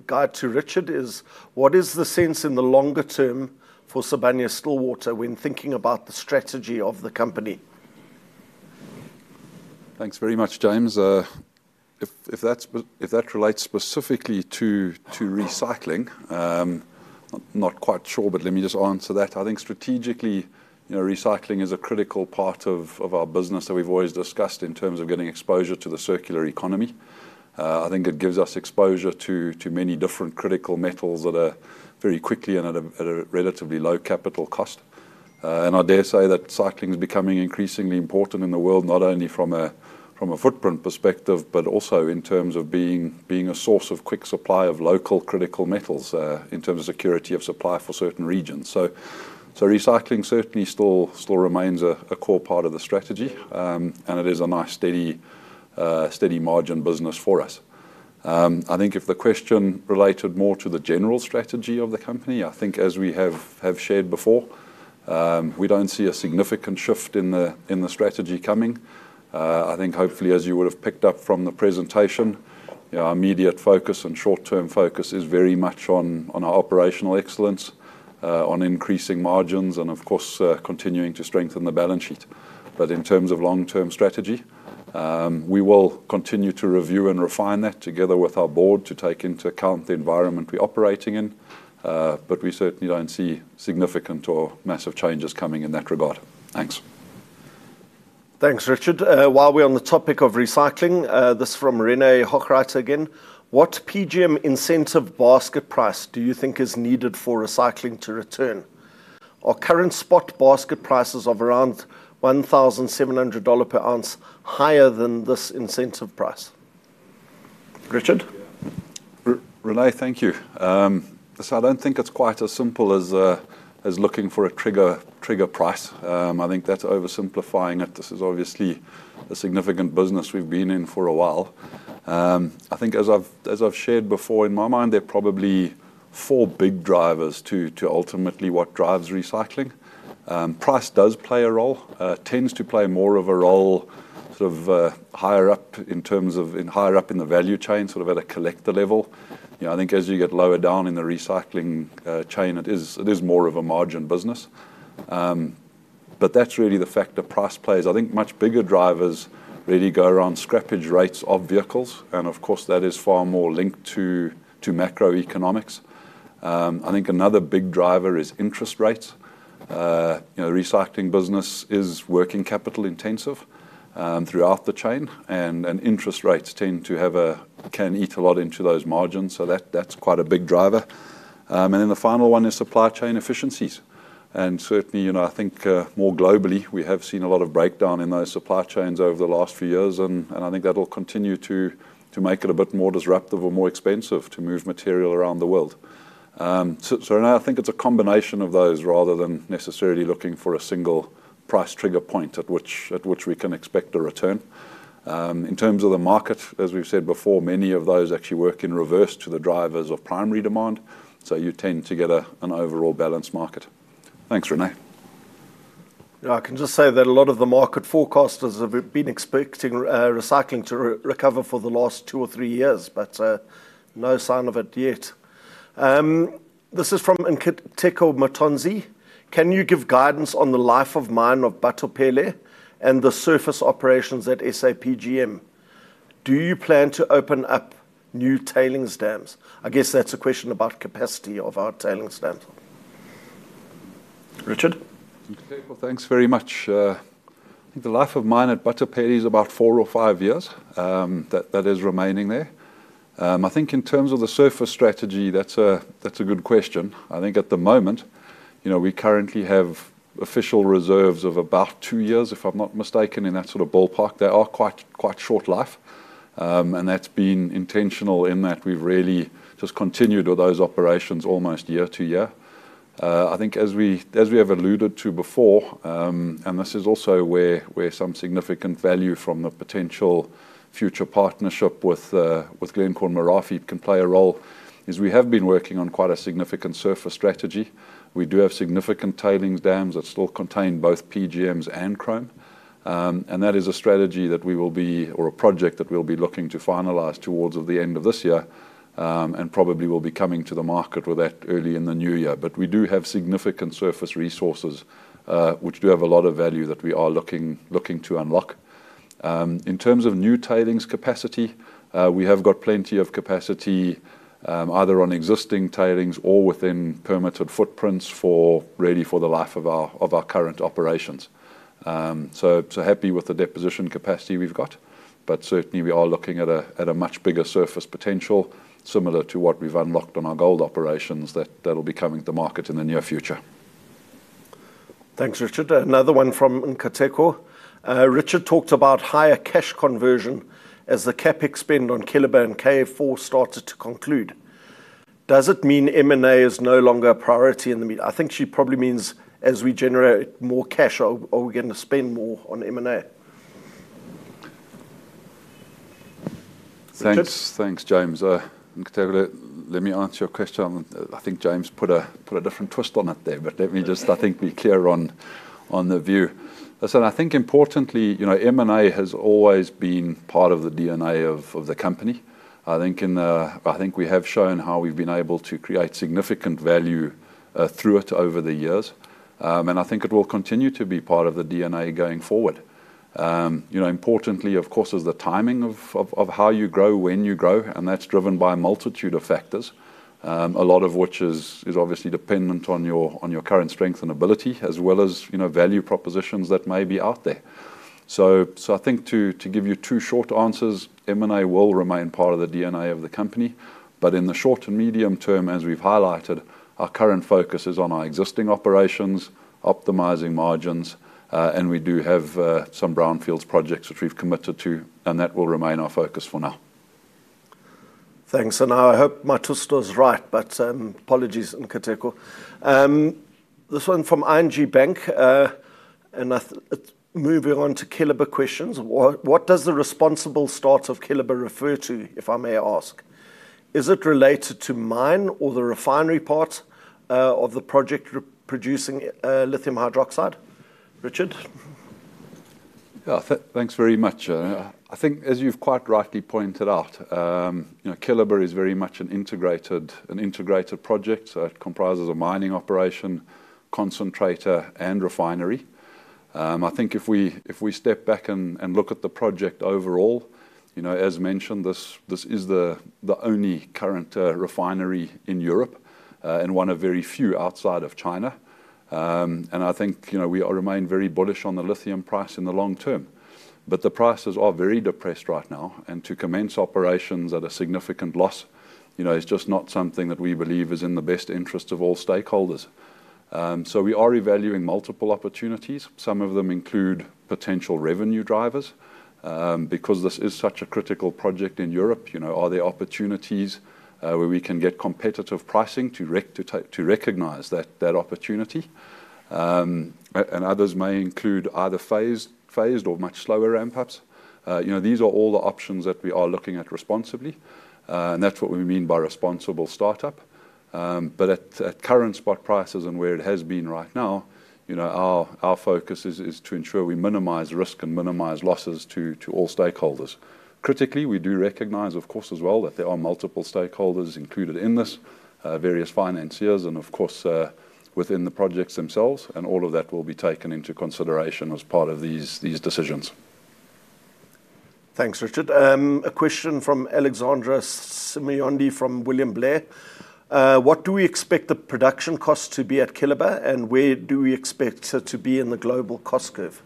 guide to Richard is what is the sense in the longer term for Sibanye-Stillwater when thinking about the strategy of the company? Thanks very much, James. If that relates specifically to recycling, I'm not quite sure, but let me just answer that. I think strategically, you know, recycling is a critical part of our business that we've always discussed in terms of getting exposure to the circular economy. I think it gives us exposure to many different critical metals very quickly and at a relatively low capital cost. I dare say that recycling is becoming increasingly important in the world, not only from a footprint perspective, but also in terms of being a source of quick supply of local critical metals in terms of security of supply for certain regions. Recycling certainly still remains a core part of the strategy, and it is a nice steady margin business for us. If the question related more to the general strategy of the company, as we have shared before, we don't see a significant shift in the strategy coming. Hopefully, as you would have picked up from the presentation, our immediate focus and short-term focus is very much on our operational excellence, on increasing margins, and of course, continuing to strengthen the balance sheet. In terms of long-term strategy, we will continue to review and refine that together with our board to take into account the environment we're operating in. We certainly don't see significant or massive changes coming in that regard. Thanks. Thanks, Richard. While we're on the topic of recycling, this is from Rene Hochreiter again. What PGM incentive basket price do you think is needed for recycling to return? Are current spot basket prices of around $1,700 per ounce higher than this incentive price? Richard? Rene, thank you. I don't think it's quite as simple as looking for a trigger price. I think that's oversimplifying it. This is obviously a significant business we've been in for a while. I think as I've shared before, in my mind, there are probably four big drivers to ultimately what drives recycling. Price does play a role. It tends to play more of a role higher up in the value chain, at a collector level. I think as you get lower down in the recycling chain, it is more of a margin business. That's really the fact that price plays. I think much bigger drivers really go around scrappage rates of vehicles, and of course, that is far more linked to macroeconomics. I think another big driver is interest rates. The recycling business is working capital intensive throughout the chain, and interest rates can eat a lot into those margins. That's quite a big driver. The final one is supply chain efficiencies. Certainly, more globally, we have seen a lot of breakdown in those supply chains over the last few years. I think that will continue to make it a bit more disruptive or more expensive to move material around the world. I think it's a combination of those rather than necessarily looking for a single price trigger point at which we can expect a return. In terms of the market, as we've said before, many of those actually work in reverse to the drivers of primary demand. You tend to get an overall balanced market. Thanks, Rene. I can just say that a lot of the market forecasters have been expecting recycling to recover for the last two or three years, but no sign of it yet. This is from Nkateko Mathonsi. Can you give guidance on the life of mine of Bathopele and the surface operations at S.A. PGM? Do you plan to open up new tailings dams? I guess that's a question about capacity of our tailings dams. Richard? Nkateko, thanks very much. I think the life of mine at Bathopele is about four or five years that is remaining there. I think in terms of the surface strategy, that's a good question. I think at the moment, you know, we currently have official reserves of about two years, if I'm not mistaken, in that sort of ballpark. They are quite short life. That's been intentional in that we've really just continued with those operations almost year to year. I think as we have alluded to before, and this is also where some significant value from a potential future partnership with Glencore/Merafe can play a role, is we have been working on quite a significant surface strategy. We do have significant tailings dams that still contain both PGMs and chrome. That is a strategy that we will be, or a project that we'll be looking to finalize towards the end of this year, and probably will be coming to the market with that early in the new year. We do have significant surface resources which do have a lot of value that we are looking to unlock. In terms of new tailings capacity, we have got plenty of capacity either on existing tailings or within permitted footprints ready for the life of our current operations. I am happy with the deposition capacity we've got. Certainly, we are looking at a much bigger surface potential similar to what we've unlocked on our gold operations that will be coming to the market in the near future. Thanks, Richard. Another one from Nkateko. Richard talked about higher cash conversion as the CapEx spend on Keliber and K4 started to conclude. Does it mean M&A is no longer a priority in the meeting? I think she probably means as we generate more cash, are we going to spend more on M&A? Thanks, James. Let me answer your question. I think James put a different twist on it there. Let me just, I think we're clear on the view. Listen, I think importantly, you know, M&A has always been part of the DNA of the company. I think we have shown how we've been able to create significant value through it over the years. I think it will continue to be part of the DNA going forward. Importantly, of course, is the timing of how you grow, when you grow. That's driven by a multitude of factors, a lot of which is obviously dependent on your current strength and ability, as well as, you know, value propositions that may be out there. To give you two short answers, M&A will remain part of the DNA of the company. In the short and medium term, as we've highlighted, our current focus is on our existing operations, optimizing margins. We do have some brownfields projects which we've committed to, and that will remain our focus for now. Thanks. I hope my twist was right, but apologies, Nkateko. This one from ING Bank. Moving on to Keliber questions. What does the responsible start of Keliber refer to, if I may ask? Is it related to mine or the refinery part of the project producing lithium hydroxide? Richard? Yeah, thanks very much. I think, as you've quite rightly pointed out, Keliber is very much an integrated project. It comprises a mining operation, concentrator, and refinery. I think if we step back and look at the project overall, as mentioned, this is the only current refinery in Europe and one of very few outside of China. I think we remain very bullish on the lithium price in the long term, but the prices are very depressed right now. To commence operations at a significant loss is just not something that we believe is in the best interest of all stakeholders. We are evaluating multiple opportunities. Some of them include potential revenue drivers because this is such a critical project in Europe. Are there opportunities where we can get competitive pricing to recognize that opportunity? Others may include either phased or much slower ramp-ups. These are all the options that we are looking at responsibly. That's what we mean by responsible startup. At current spot prices and where it has been right now, our focus is to ensure we minimize risk and minimize losses to all stakeholders. Critically, we do recognize, of course, as well, that there are multiple stakeholders included in this, various financiers, and of course, within the projects themselves. All of that will be taken into consideration as part of these decisions. Thanks, Richard. A question from Alexandra Symeonidi from William Blair. What do we expect the production cost to be at Keliber, and where do we expect it to be in the global cost curve?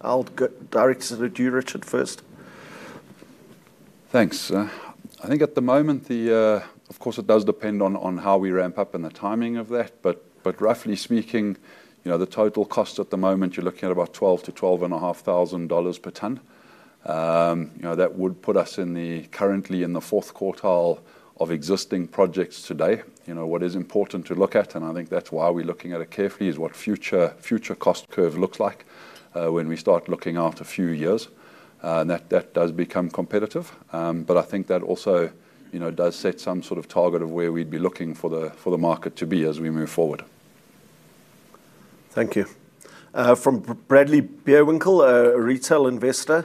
I'll direct it to Richard first. Thanks. I think at the moment, of course, it does depend on how we ramp up and the timing of that. Roughly speaking, the total cost at the moment, you're looking at about $12,0000-$12,500 per ton. That would put us currently in the fourth quartile of existing projects today. What is important to look at, and I think that's why we're looking at it carefully, is what the future cost curve looks like when we start looking out a few years. That does become competitive. I think that also does set some sort of target of where we'd be looking for the market to be as we move forward. Thank you. From Bradley Beerwinkle, a retail investor.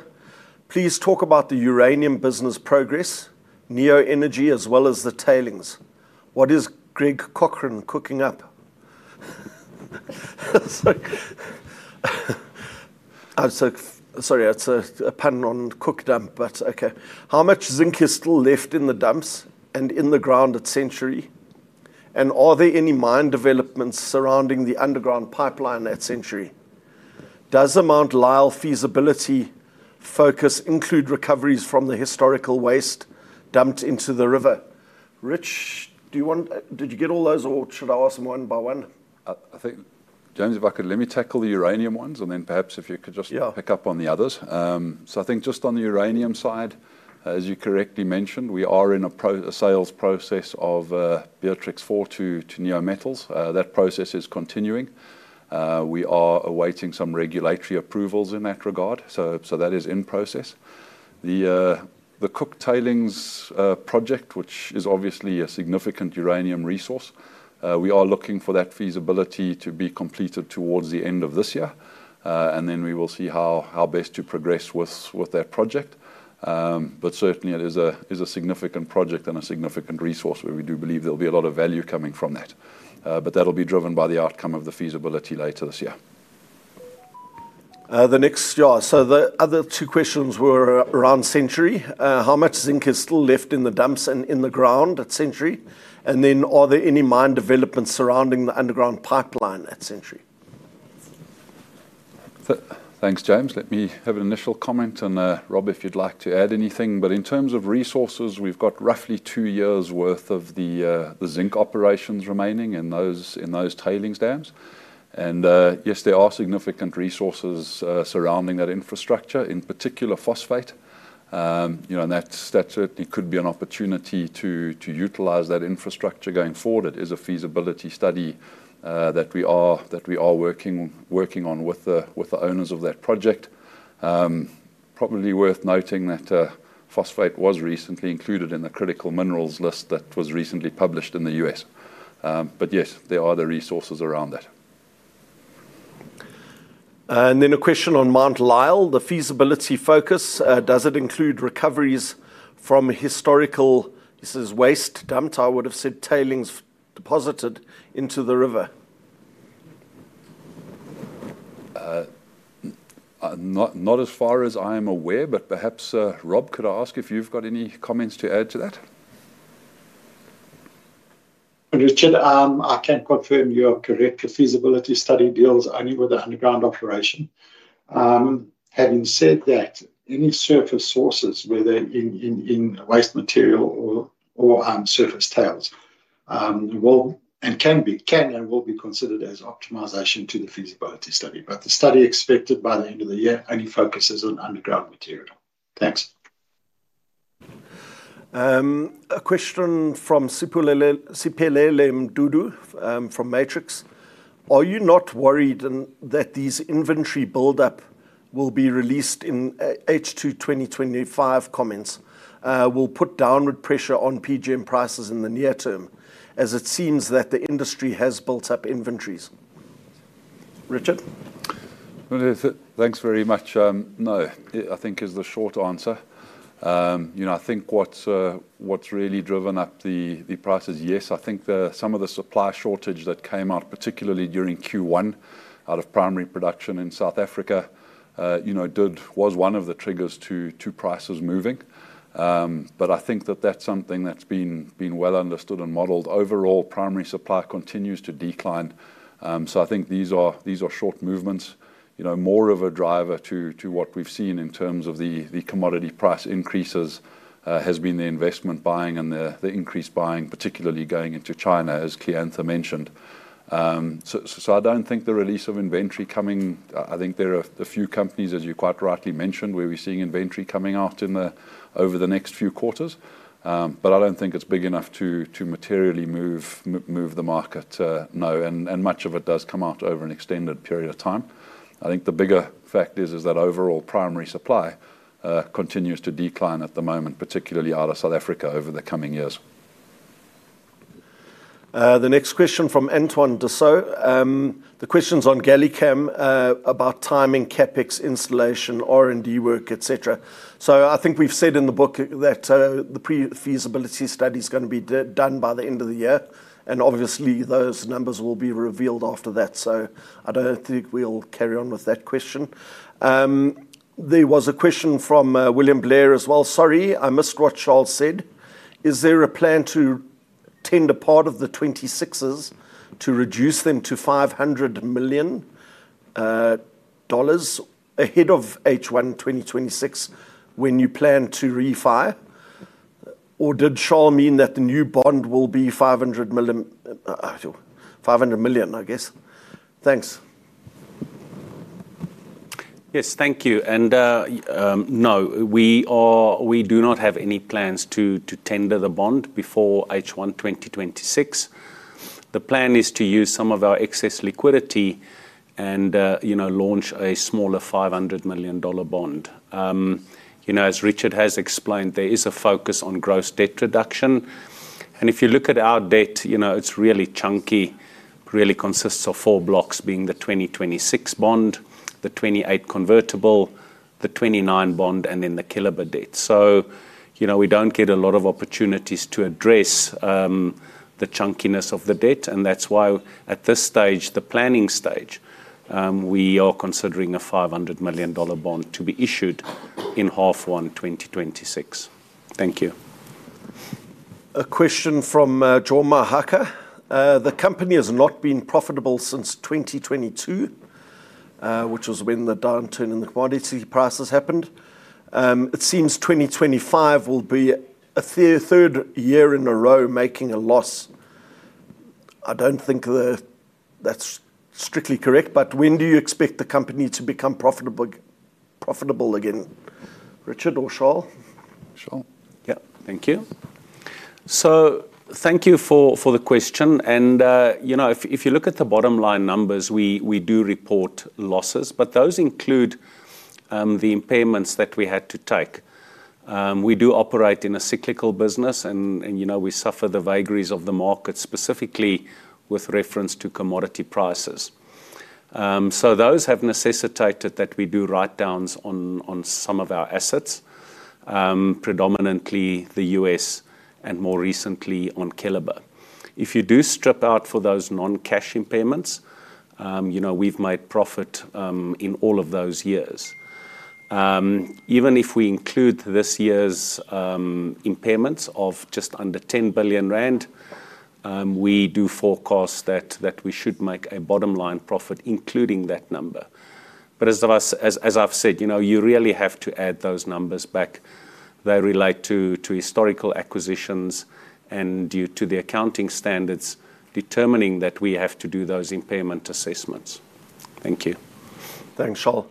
Please talk about the uranium business progress, NEO Energy, as well as the tailings. What is Greg Cochrane cooking up? Sorry, that's a pun on cook dump, but OK. How much zinc is still left in the dumps and in the ground at Century? Are there any mine developments surrounding the underground pipeline at Century? Does the Mount Lyell feasibility focus include recoveries from the historical waste dumped into the river? Rich, do you want to get all those, or should I ask them one by one? I think, James, if I could, let me tackle the uranium ones, and then perhaps if you could just pick up on the others. I think just on the uranium side, as you correctly mentioned, we are in a sales process of Beatrix 4 to NEO Metals. That process is continuing. We are awaiting some regulatory approvals in that regard. That is in process. The Cooke Tailings project, which is obviously a significant uranium resource, we are looking for that feasibility to be completed towards the end of this year. We will see how best to progress with that project. It is a significant project and a significant resource where we do believe there'll be a lot of value coming from that. That will be driven by the outcome of the feasibility later this year. The next, yeah, the other two questions were around Century. How much zinc is still left in the dumps and in the ground at Century? Are there any mine developments surrounding the underground pipeline at Century? Thanks, James. Let me have an initial comment, and Rob, if you'd like to add anything. In terms of resources, we've got roughly two years' worth of the zinc operations remaining in those tailings dams. Yes, there are significant resources surrounding that infrastructure, in particular phosphate. That certainly could be an opportunity to utilize that infrastructure going forward. It is a feasibility study that we are working on with the owners of that project. It is probably worth noting that phosphate was recently included in the critical minerals list that was recently published in the U.S. Yes, there are the resources around that. A question on Mount Lyell, the feasibility focus. Does it include recoveries from historical, this is waste dumps, I would have said, tailings deposited into the river? Not as far as I am aware, but perhaps Rob, could I ask if you've got any comments to add to that? Richard, I can confirm you have directed feasibility study deals only with the underground operation. Having said that, any surface sources, whether in waste material or surface tails, can be and will be considered as optimization to the feasibility study. The study expected by the end of the year only focuses on underground material. Thanks. A question from Siphelele Mdudu from Matrix. Are you not worried that these inventory buildups will be released in H2 2025? Comments will put downward pressure on PGM prices in the near term, as it seems that the industry has built up inventories. Richard? Thanks very much. No, I think is the short answer. I think what's really driven up the prices, yes, I think some of the supply shortage that came out, particularly during Q1, out of primary production in South Africa, was one of the triggers to prices moving. I think that that's something that's been well understood and modeled. Overall, primary supply continues to decline. I think these are short movements. More of a driver to what we've seen in terms of the commodity price increases has been the investment buying and the increased buying, particularly going into China, as Kleantha mentioned. I don't think the release of inventory coming, I think there are a few companies, as you quite rightly mentioned, where we're seeing inventory coming out over the next few quarters. I don't think it's big enough to materially move the market. No, and much of it does come out over an extended period of time. I think the bigger fact is that overall primary supply continues to decline at the moment, particularly out of South Africa over the coming years. The next question from [Antoine Dassault]. The question is on GalliCam about timing, CapEx installation, R&D work, et cetera. I think we've said in the book that the pre-feasibility study is going to be done by the end of the year. Obviously, those numbers will be revealed after that. I don't think we'll carry on with that question. There was a question from William Blair as well. Sorry, I missed what Charles said. Is there a plan to tend a part of the 2026s to reduce them to $500 million ahead of H1 2026 when you plan to refire? Or did Charles mean that the new bond will be $500 million, I guess? Thanks. Yes, thank you. No, we do not have any plans to tender the bond before H1 2026. The plan is to use some of our excess liquidity and launch a smaller $500 million bond. As Richard has explained, there is a focus on gross debt reduction. If you look at our debt, it's really chunky. It really consists of four blocks, being the 2026 bond, the 2028 convertible, the 2029 bond, and then the Keliber debt. We don't get a lot of opportunities to address the chunkiness of the debt. That's why at this stage, the planning stage, we are considering a $500 million bond to be issued in H1 2026. Thank you. A question from Jorma Hakka. The company has not been profitable since 2022, which was when the downturn in the commodity prices happened. It seems 2025 will be a third year in a row making a loss. I don't think that's strictly correct, but when do you expect the company to become profitable again? Richard or Charl? Charl. Thank you for the question. If you look at the bottom line numbers, we do report losses, but those include the impairments that we had to take. We do operate in a cyclical business, and we suffer the vagaries of the market, specifically with reference to commodity prices. Those have necessitated that we do write downs on some of our assets, predominantly the U.S. and more recently on Keliber. If you do strip out for those non-cash impairments, we've made profit in all of those years. Even if we include this year's impairments of just under 10 billion rand, we do forecast that we should make a bottom line profit including that number. As I've said, you really have to add those numbers back. They relate to historical acquisitions and due to the accounting standards determining that we have to do those impairment assessments. Thank you. Thanks, Charl.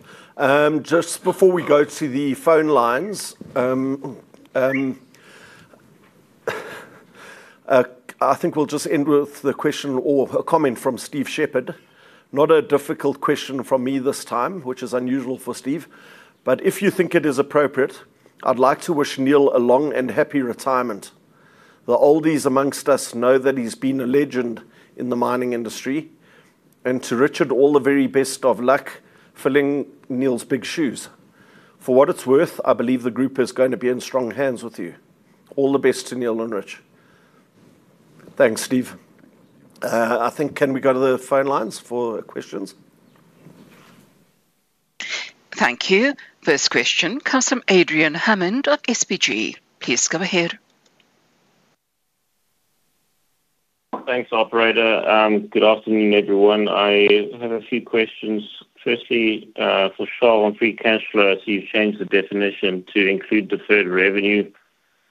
Just before we go to the phone lines, I think we'll just end with the question or a comment from [Steve Shepherd]. Not a difficult question from me this time, which is unusual for Steve. If you think it is appropriate, I'd like to wish Neal a long and happy retirement. The oldies amongst us know that he's been a legend in the mining industry. To Richard, all the very best of luck filling Neal's big shoes. For what it's worth, I believe the group is going to be in strong hands with you. All the best to Neal and Rich. Thanks, Steve. I think can we go to the phone lines for questions? Thank you. First question, customer Adrian Hammond of SBG. Please go ahead. Thanks, operator. Good afternoon, everyone. I have a few questions. Firstly, for Charl on free cash flow, I see you've changed the definition to include the deferred revenue.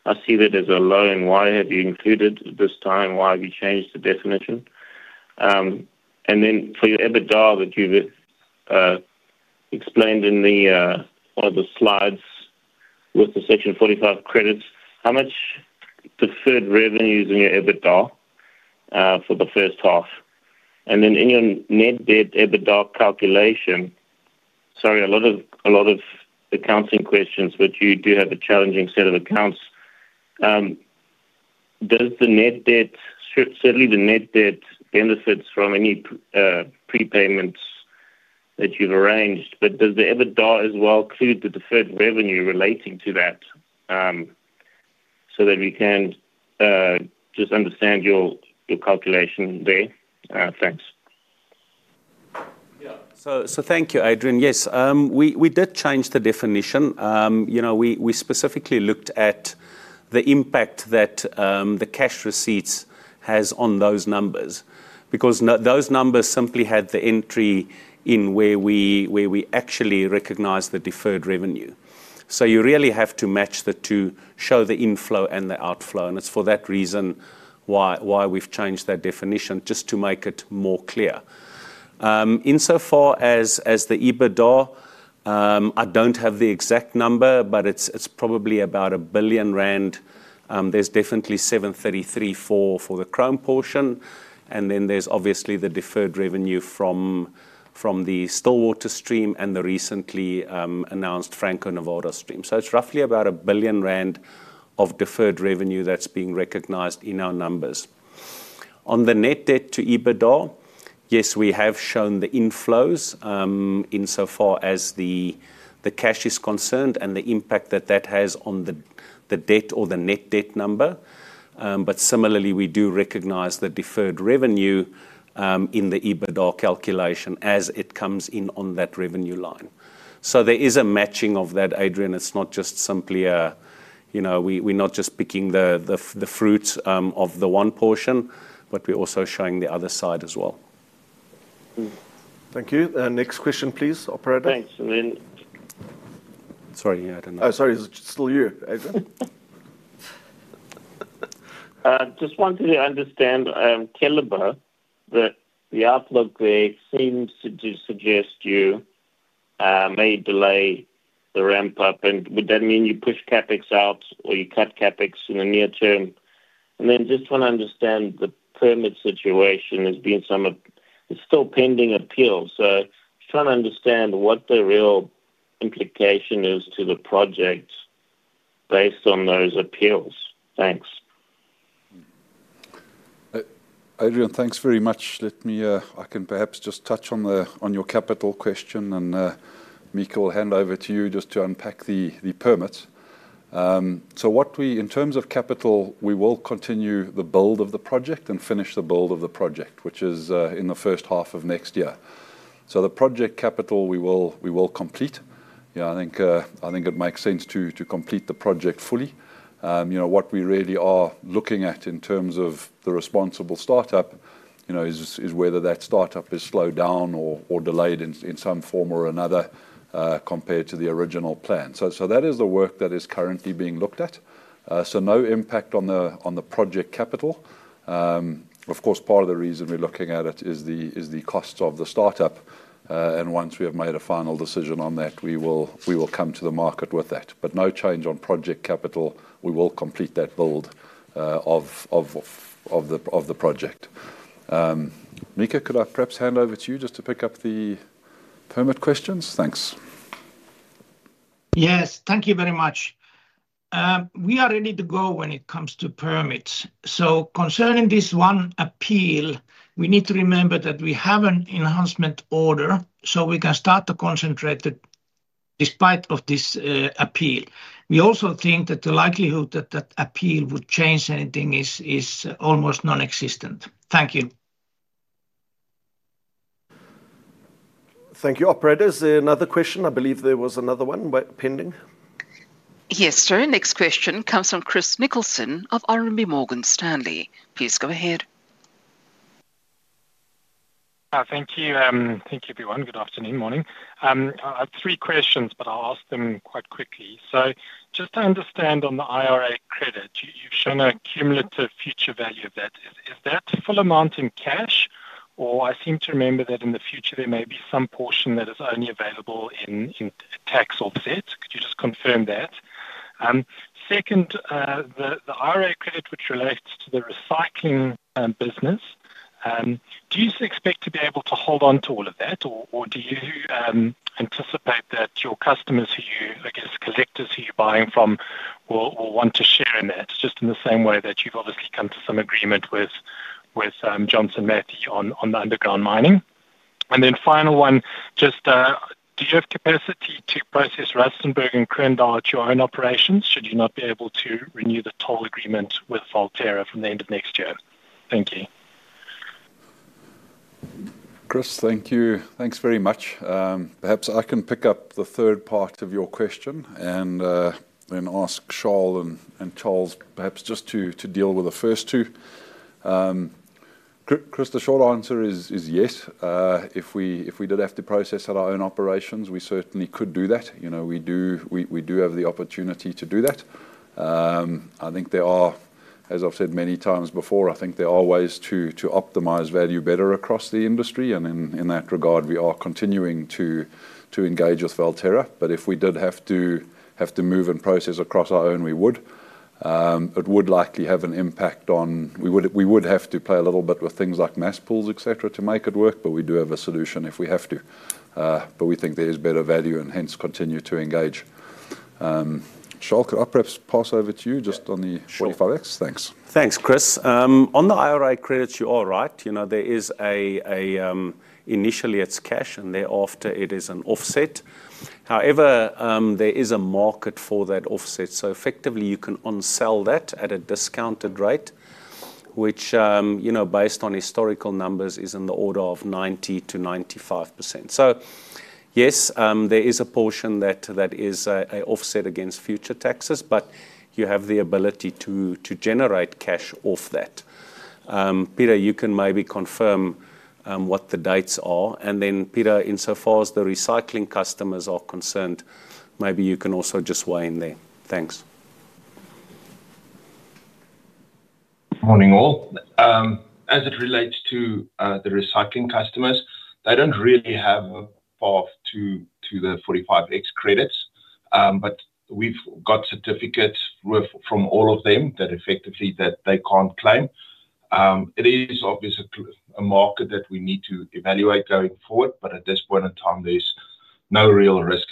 I see that as a low-end. Why have you included this time? Why have you changed the definition? For your EBITDA that you've explained in one of the slides with the Section 45X credits, how much deferred revenue is in your EBITDA for the first half? In your net debt to EBITDA calculation, sorry, a lot of accounting questions, but you do have a challenging set of accounts. Does the net debt shift? Certainly, the net debt benefits from any prepayments that you've arranged, but does the EBITDA as well include the deferred revenue relating to that so that we can just understand your calculation there? Thanks. Thank you, Adrian. Yes, we did change the definition. We specifically looked at the impact that the cash receipts have on those numbers because those numbers simply had the entry in where we actually recognize the deferred revenue. You really have to match the two, show the inflow and the outflow. It is for that reason why we've changed that definition, just to make it more clear. Insofar as the EBITDA, I don't have the exact number, but it's probably about 1 billion rand. There's definitely 733 million for the chrome portion. Then there's obviously the deferred revenue from the Stillwater stream and the recently announced Franco Nevada stream. It's roughly about 1 billion rand of deferred revenue that's being recognized in our numbers. On the net debt to EBITDA, yes, we have shown the inflows insofar as the cash is concerned and the impact that that has on the debt or the net debt number. Similarly, we do recognize the deferred revenue in the EBITDA calculation as it comes in on that revenue line. There is a matching of that, Adrian. It's not just simply a, you know, we're not just picking the fruit of the one portion, but we're also showing the other side as well. Thank you. Next question, please, operator. Thanks. Sorry, I don't know. Oh, sorry, it's still you, Adrian. Just wanted to understand Keliber, that the outlook there seems to suggest you may delay the ramp-up. Would that mean you push CapEx out or you cut CapEx in the near term? I'm just trying to understand the permit situation, it's still pending appeals. I'm just trying to understand what the real implication is to the project based on those appeals. Thanks. Adrian, thanks very much. Let me, I can perhaps just touch on your capital question, and Mika will hand over to you just to unpack the permits. In terms of capital, we will continue the build of the project and finish the build of the project, which is in the first half of next year. The project capital we will complete. I think it makes sense to complete the project fully. What we really are looking at in terms of the responsible startup is whether that startup is slowed down or delayed in some form or another compared to the original plan. That is the work that is currently being looked at. No impact on the project capital. Of course, part of the reason we're looking at it is the cost of the startup. Once we have made a final decision on that, we will come to the market with that. No change on project capital. We will complete that build of the project. Mika, could I perhaps hand over to you just to pick up the permit questions? Thanks. Yes, thank you very much. We are ready to go when it comes to permits. Concerning this one appeal, we need to remember that we have an enhancement order, so we can start the concentrated despite this appeal. We also think that the likelihood that that appeal would change anything is almost nonexistent. Thank you. Thank you, operators. Another question. I believe there was another one pending. Yes, sir. Next question comes from Chris Nicholson of RMB Morgan Stanley. Please go ahead. Thank you. Thank you, everyone. Good afternoon, morning. I have three questions, but I'll ask them quite quickly. Just to understand on the IRA credit, you've shown a cumulative future value of that. Is that full amount in cash, or I seem to remember that in the future there may be some portion that is only available in tax offset? Could you just confirm that? Second, the IRA credit which relates to the recycling business, do you expect to be able to hold on to all of that, or do you anticipate that your customers who you, I guess, collectors who you're buying from will want to share in that, just in the same way that you've obviously come to some agreement with Johnson Matthey on the underground mining? Final one, just do you have capacity to process Rustenburg and Kroondal at your own operations? Should you not be able to renew the toll agreement with Valterra from the end of next year? Thank you. Chris, thank you. Thanks very much. Perhaps I can pick up the third part of your question and then ask Charl and Charles perhaps just to deal with the first two. Chris, the short answer is yes. If we did have to process at our own operations, we certainly could do that. We do have the opportunity to do that. I think there are, as I've said many times before, ways to optimize value better across the industry. In that regard, we are continuing to engage with Valterra. If we did have to move and process across our own, we would. It would likely have an impact on, we would have to play a little bit with things like mass pools, etc., to make it work. We do have a solution if we have to. We think there is better value and hence continue to engage. Charl, could I perhaps pass over to you just on the 45X? Thanks. Thanks, Chris. On the IRA credits, you are right. There is a, initially it's cash and thereafter it is an offset. However, there is a market for that offset. Effectively, you can unsell that at a discounted rate, which, based on historical numbers, is in the order of 90%-95%. Yes, there is a portion that is an offset against future taxes, but you have the ability to generate cash off that. Peter, you can maybe confirm what the dates are. Peter, insofar as the recycling customers are concerned, maybe you can also just weigh in there. Thanks. Morning all. As it relates to the recycling customers, they don't really have a path to the 45X credits. We've got certificates from all of them that effectively they can't claim. It is obviously a market that we need to evaluate going forward. At this point in time, there's no real risk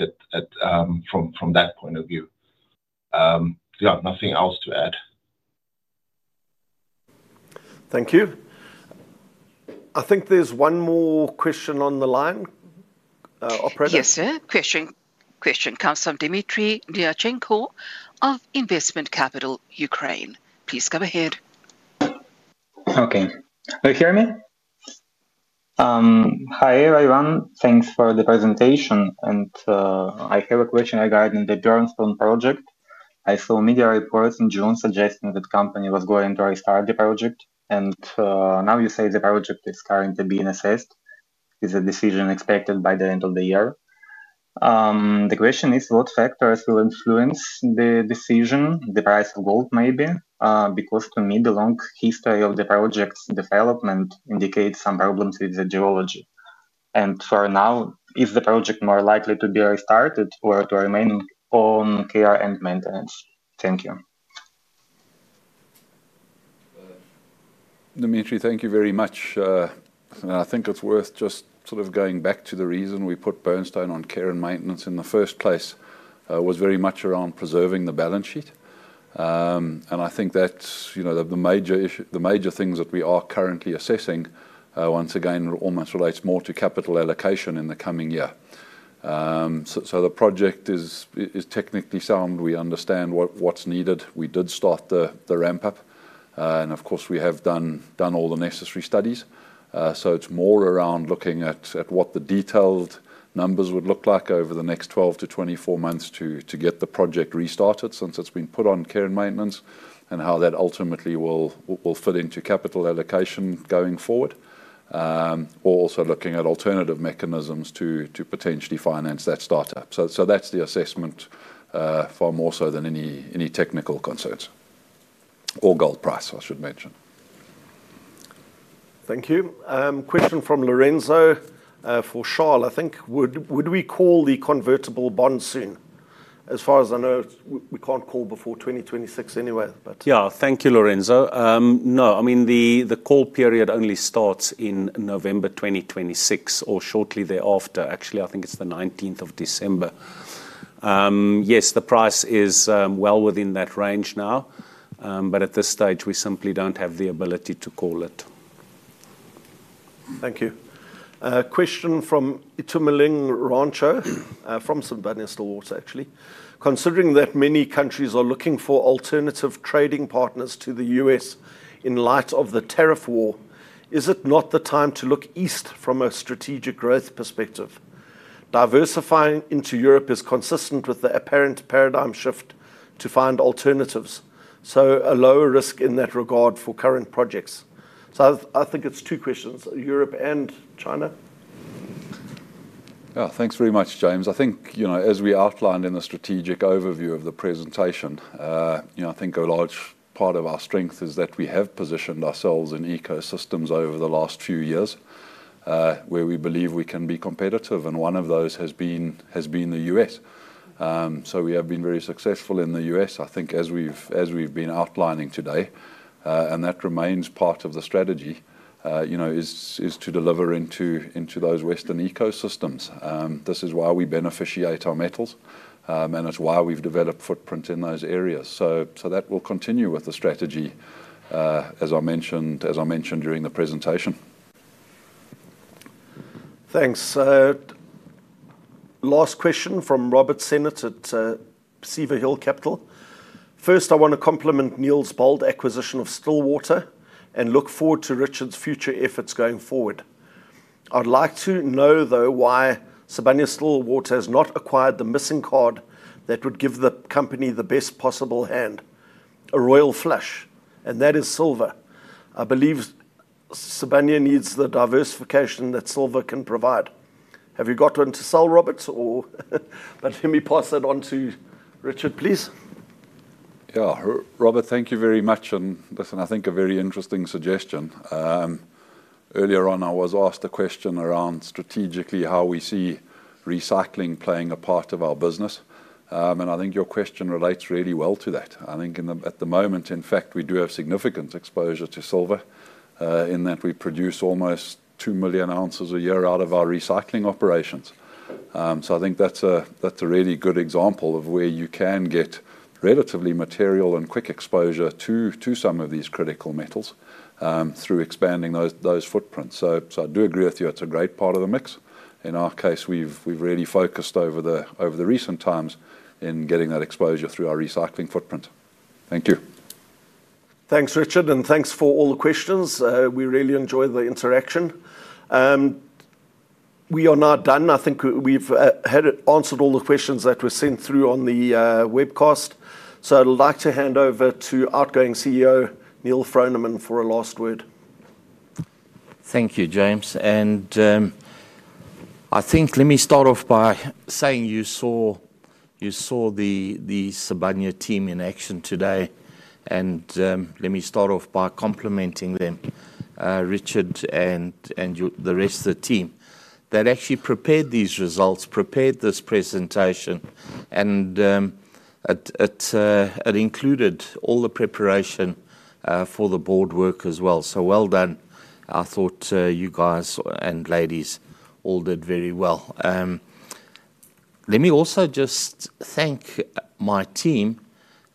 from that point of view. Nothing else to add. Thank you. I think there's one more question on the line. Yes, sir. Question comes from Dmitry Dyachenko of Investment Capital Ukraine. Please go ahead. Okay. Can you hear me? Hi, everyone. Thanks for the presentation. I have a question regarding the Burnstone project. I saw media reports in June suggesting that the company was going to restart the project. Now you say the project is currently being assessed. Is the decision expected by the end of the year? The question is what factors will influence the decision. The price of gold, maybe, because to me, the long history of the project's development indicates some problems with the geology. For now, is the project more likely to be restarted or to remain on care and maintenance? Thank you. Dmitry, thank you very much. I think it's worth just sort of going back to the reason we put Burnstone on care and maintenance in the first place, which was very much around preserving the balance sheet. I think that the major things that we are currently assessing, once again, almost relates more to capital allocation in the coming year. The project is technically sound. We understand what's needed. We did start the ramp-up. Of course, we have done all the necessary studies. It's more around looking at what the detailed numbers would look like over the next 12-24 months to get the project restarted since it's been put on care and maintenance and how that ultimately will fit into capital allocation going forward. We're also looking at alternative mechanisms to potentially finance that startup. That's the assessment far more so than any technical concerns or gold price, I should mention. Thank you. Question from Lorenzo for Charl. I think would we call the convertible bond soon? As far as I know, we can't call before 2026 anyway. Yeah, thank you, Lorenzo. No, I mean, the call period only starts in November 2026 or shortly thereafter. Actually, I think it's the 19th of December. Yes, the price is well within that range now. At this stage, we simply don't have the ability to call it. Thank you. Question from Itumeleng Rancho from Sibanye-Stillwater, actually. Considering that many countries are looking for alternative trading partners to the U.S. in light of the tariff war, is it not the time to look east from a strategic growth perspective? Diversifying into Europe is consistent with the apparent paradigm shift to find alternatives. There is a low risk in that regard for current projects. I think it's two questions, Europe and China. Yeah, thanks very much, James. I think, as we outlined in the strategic overview of the presentation, I think a large part of our strength is that we have positioned ourselves in ecosystems over the last few years where we believe we can be competitive. One of those has been the U.S. We have been very successful in the U.S., I think as we've been outlining today, and that remains part of the strategy. It is to deliver into those Western ecosystems. This is why we beneficiate our metals, and it's why we've developed footprints in those areas. That will continue with the strategy, as I mentioned during the presentation. Thanks. Last question from Robert Sennott at Seaver Hill Capital. First, I want to compliment Neal's bold acquisition of Stillwater and look forward to Richard's future efforts going forward. I'd like to know, though, why Sibanye-Stillwater has not acquired the missing card that would give the company the best possible hand, a royal flush. That is silver. I believe Sibanye needs the diversification that silver can provide. Have you got one to sell, Robert? Let me pass it on to Richard, please. Yeah, Robert, thank you very much. I think a very interesting suggestion. Earlier on, I was asked a question around strategically how we see recycling playing a part of our business. I think your question relates really well to that. At the moment, in fact, we do have significant exposure to silver in that we produce almost 2 million ounces a year out of our recycling operations. I think that's a really good example of where you can get relatively material and quick exposure to some of these critical metals through expanding those footprints. I do agree with you. It's a great part of the mix. In our case, we've really focused over the recent times in getting that exposure through our recycling footprint. Thank you. Thanks, Richard. Thanks for all the questions. We really enjoyed the interaction. We are now done. I think we've answered all the questions that were sent through on the webcast. I'd like to hand over to outgoing CEO Neal Froneman for a last word. Thank you, James. Let me start off by saying you saw the Sibanye team in action today. Let me start off by complimenting them, Richard, and the rest of the team that actually prepared these results, prepared this presentation. It included all the preparation for the board work as well. Well done. I thought you guys and ladies all did very well. Let me also just thank my team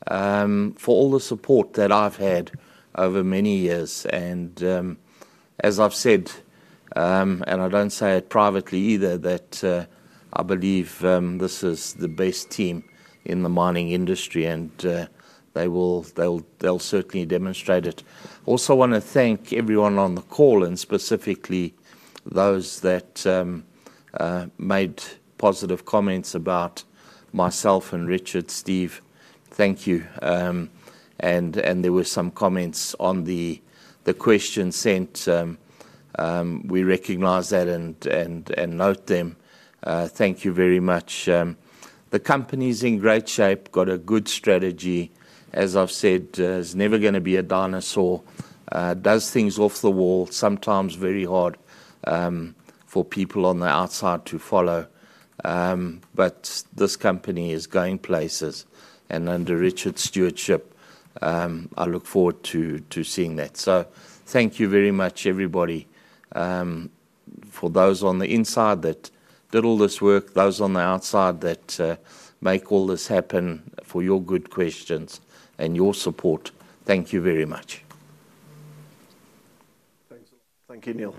for all the support that I've had over many years. As I've said, and I don't say it privately either, I believe this is the best team in the mining industry. They'll certainly demonstrate it. I also want to thank everyone on the call and specifically those that made positive comments about myself and Richard, Steve. Thank you. There were some comments on the question sent. We recognize that and note them. Thank you very much. The company is in great shape, got a good strategy. As I've said, it's never going to be a dinosaur. It does things off the wall, sometimes very hard for people on the outside to follow. This company is going places. Under Richard's stewardship, I look forward to seeing that. Thank you very much, everybody, for those on the inside that did all this work, those on the outside that make all this happen, for your good questions and your support. Thank you very much. Thanks, all. Thank you, Neal.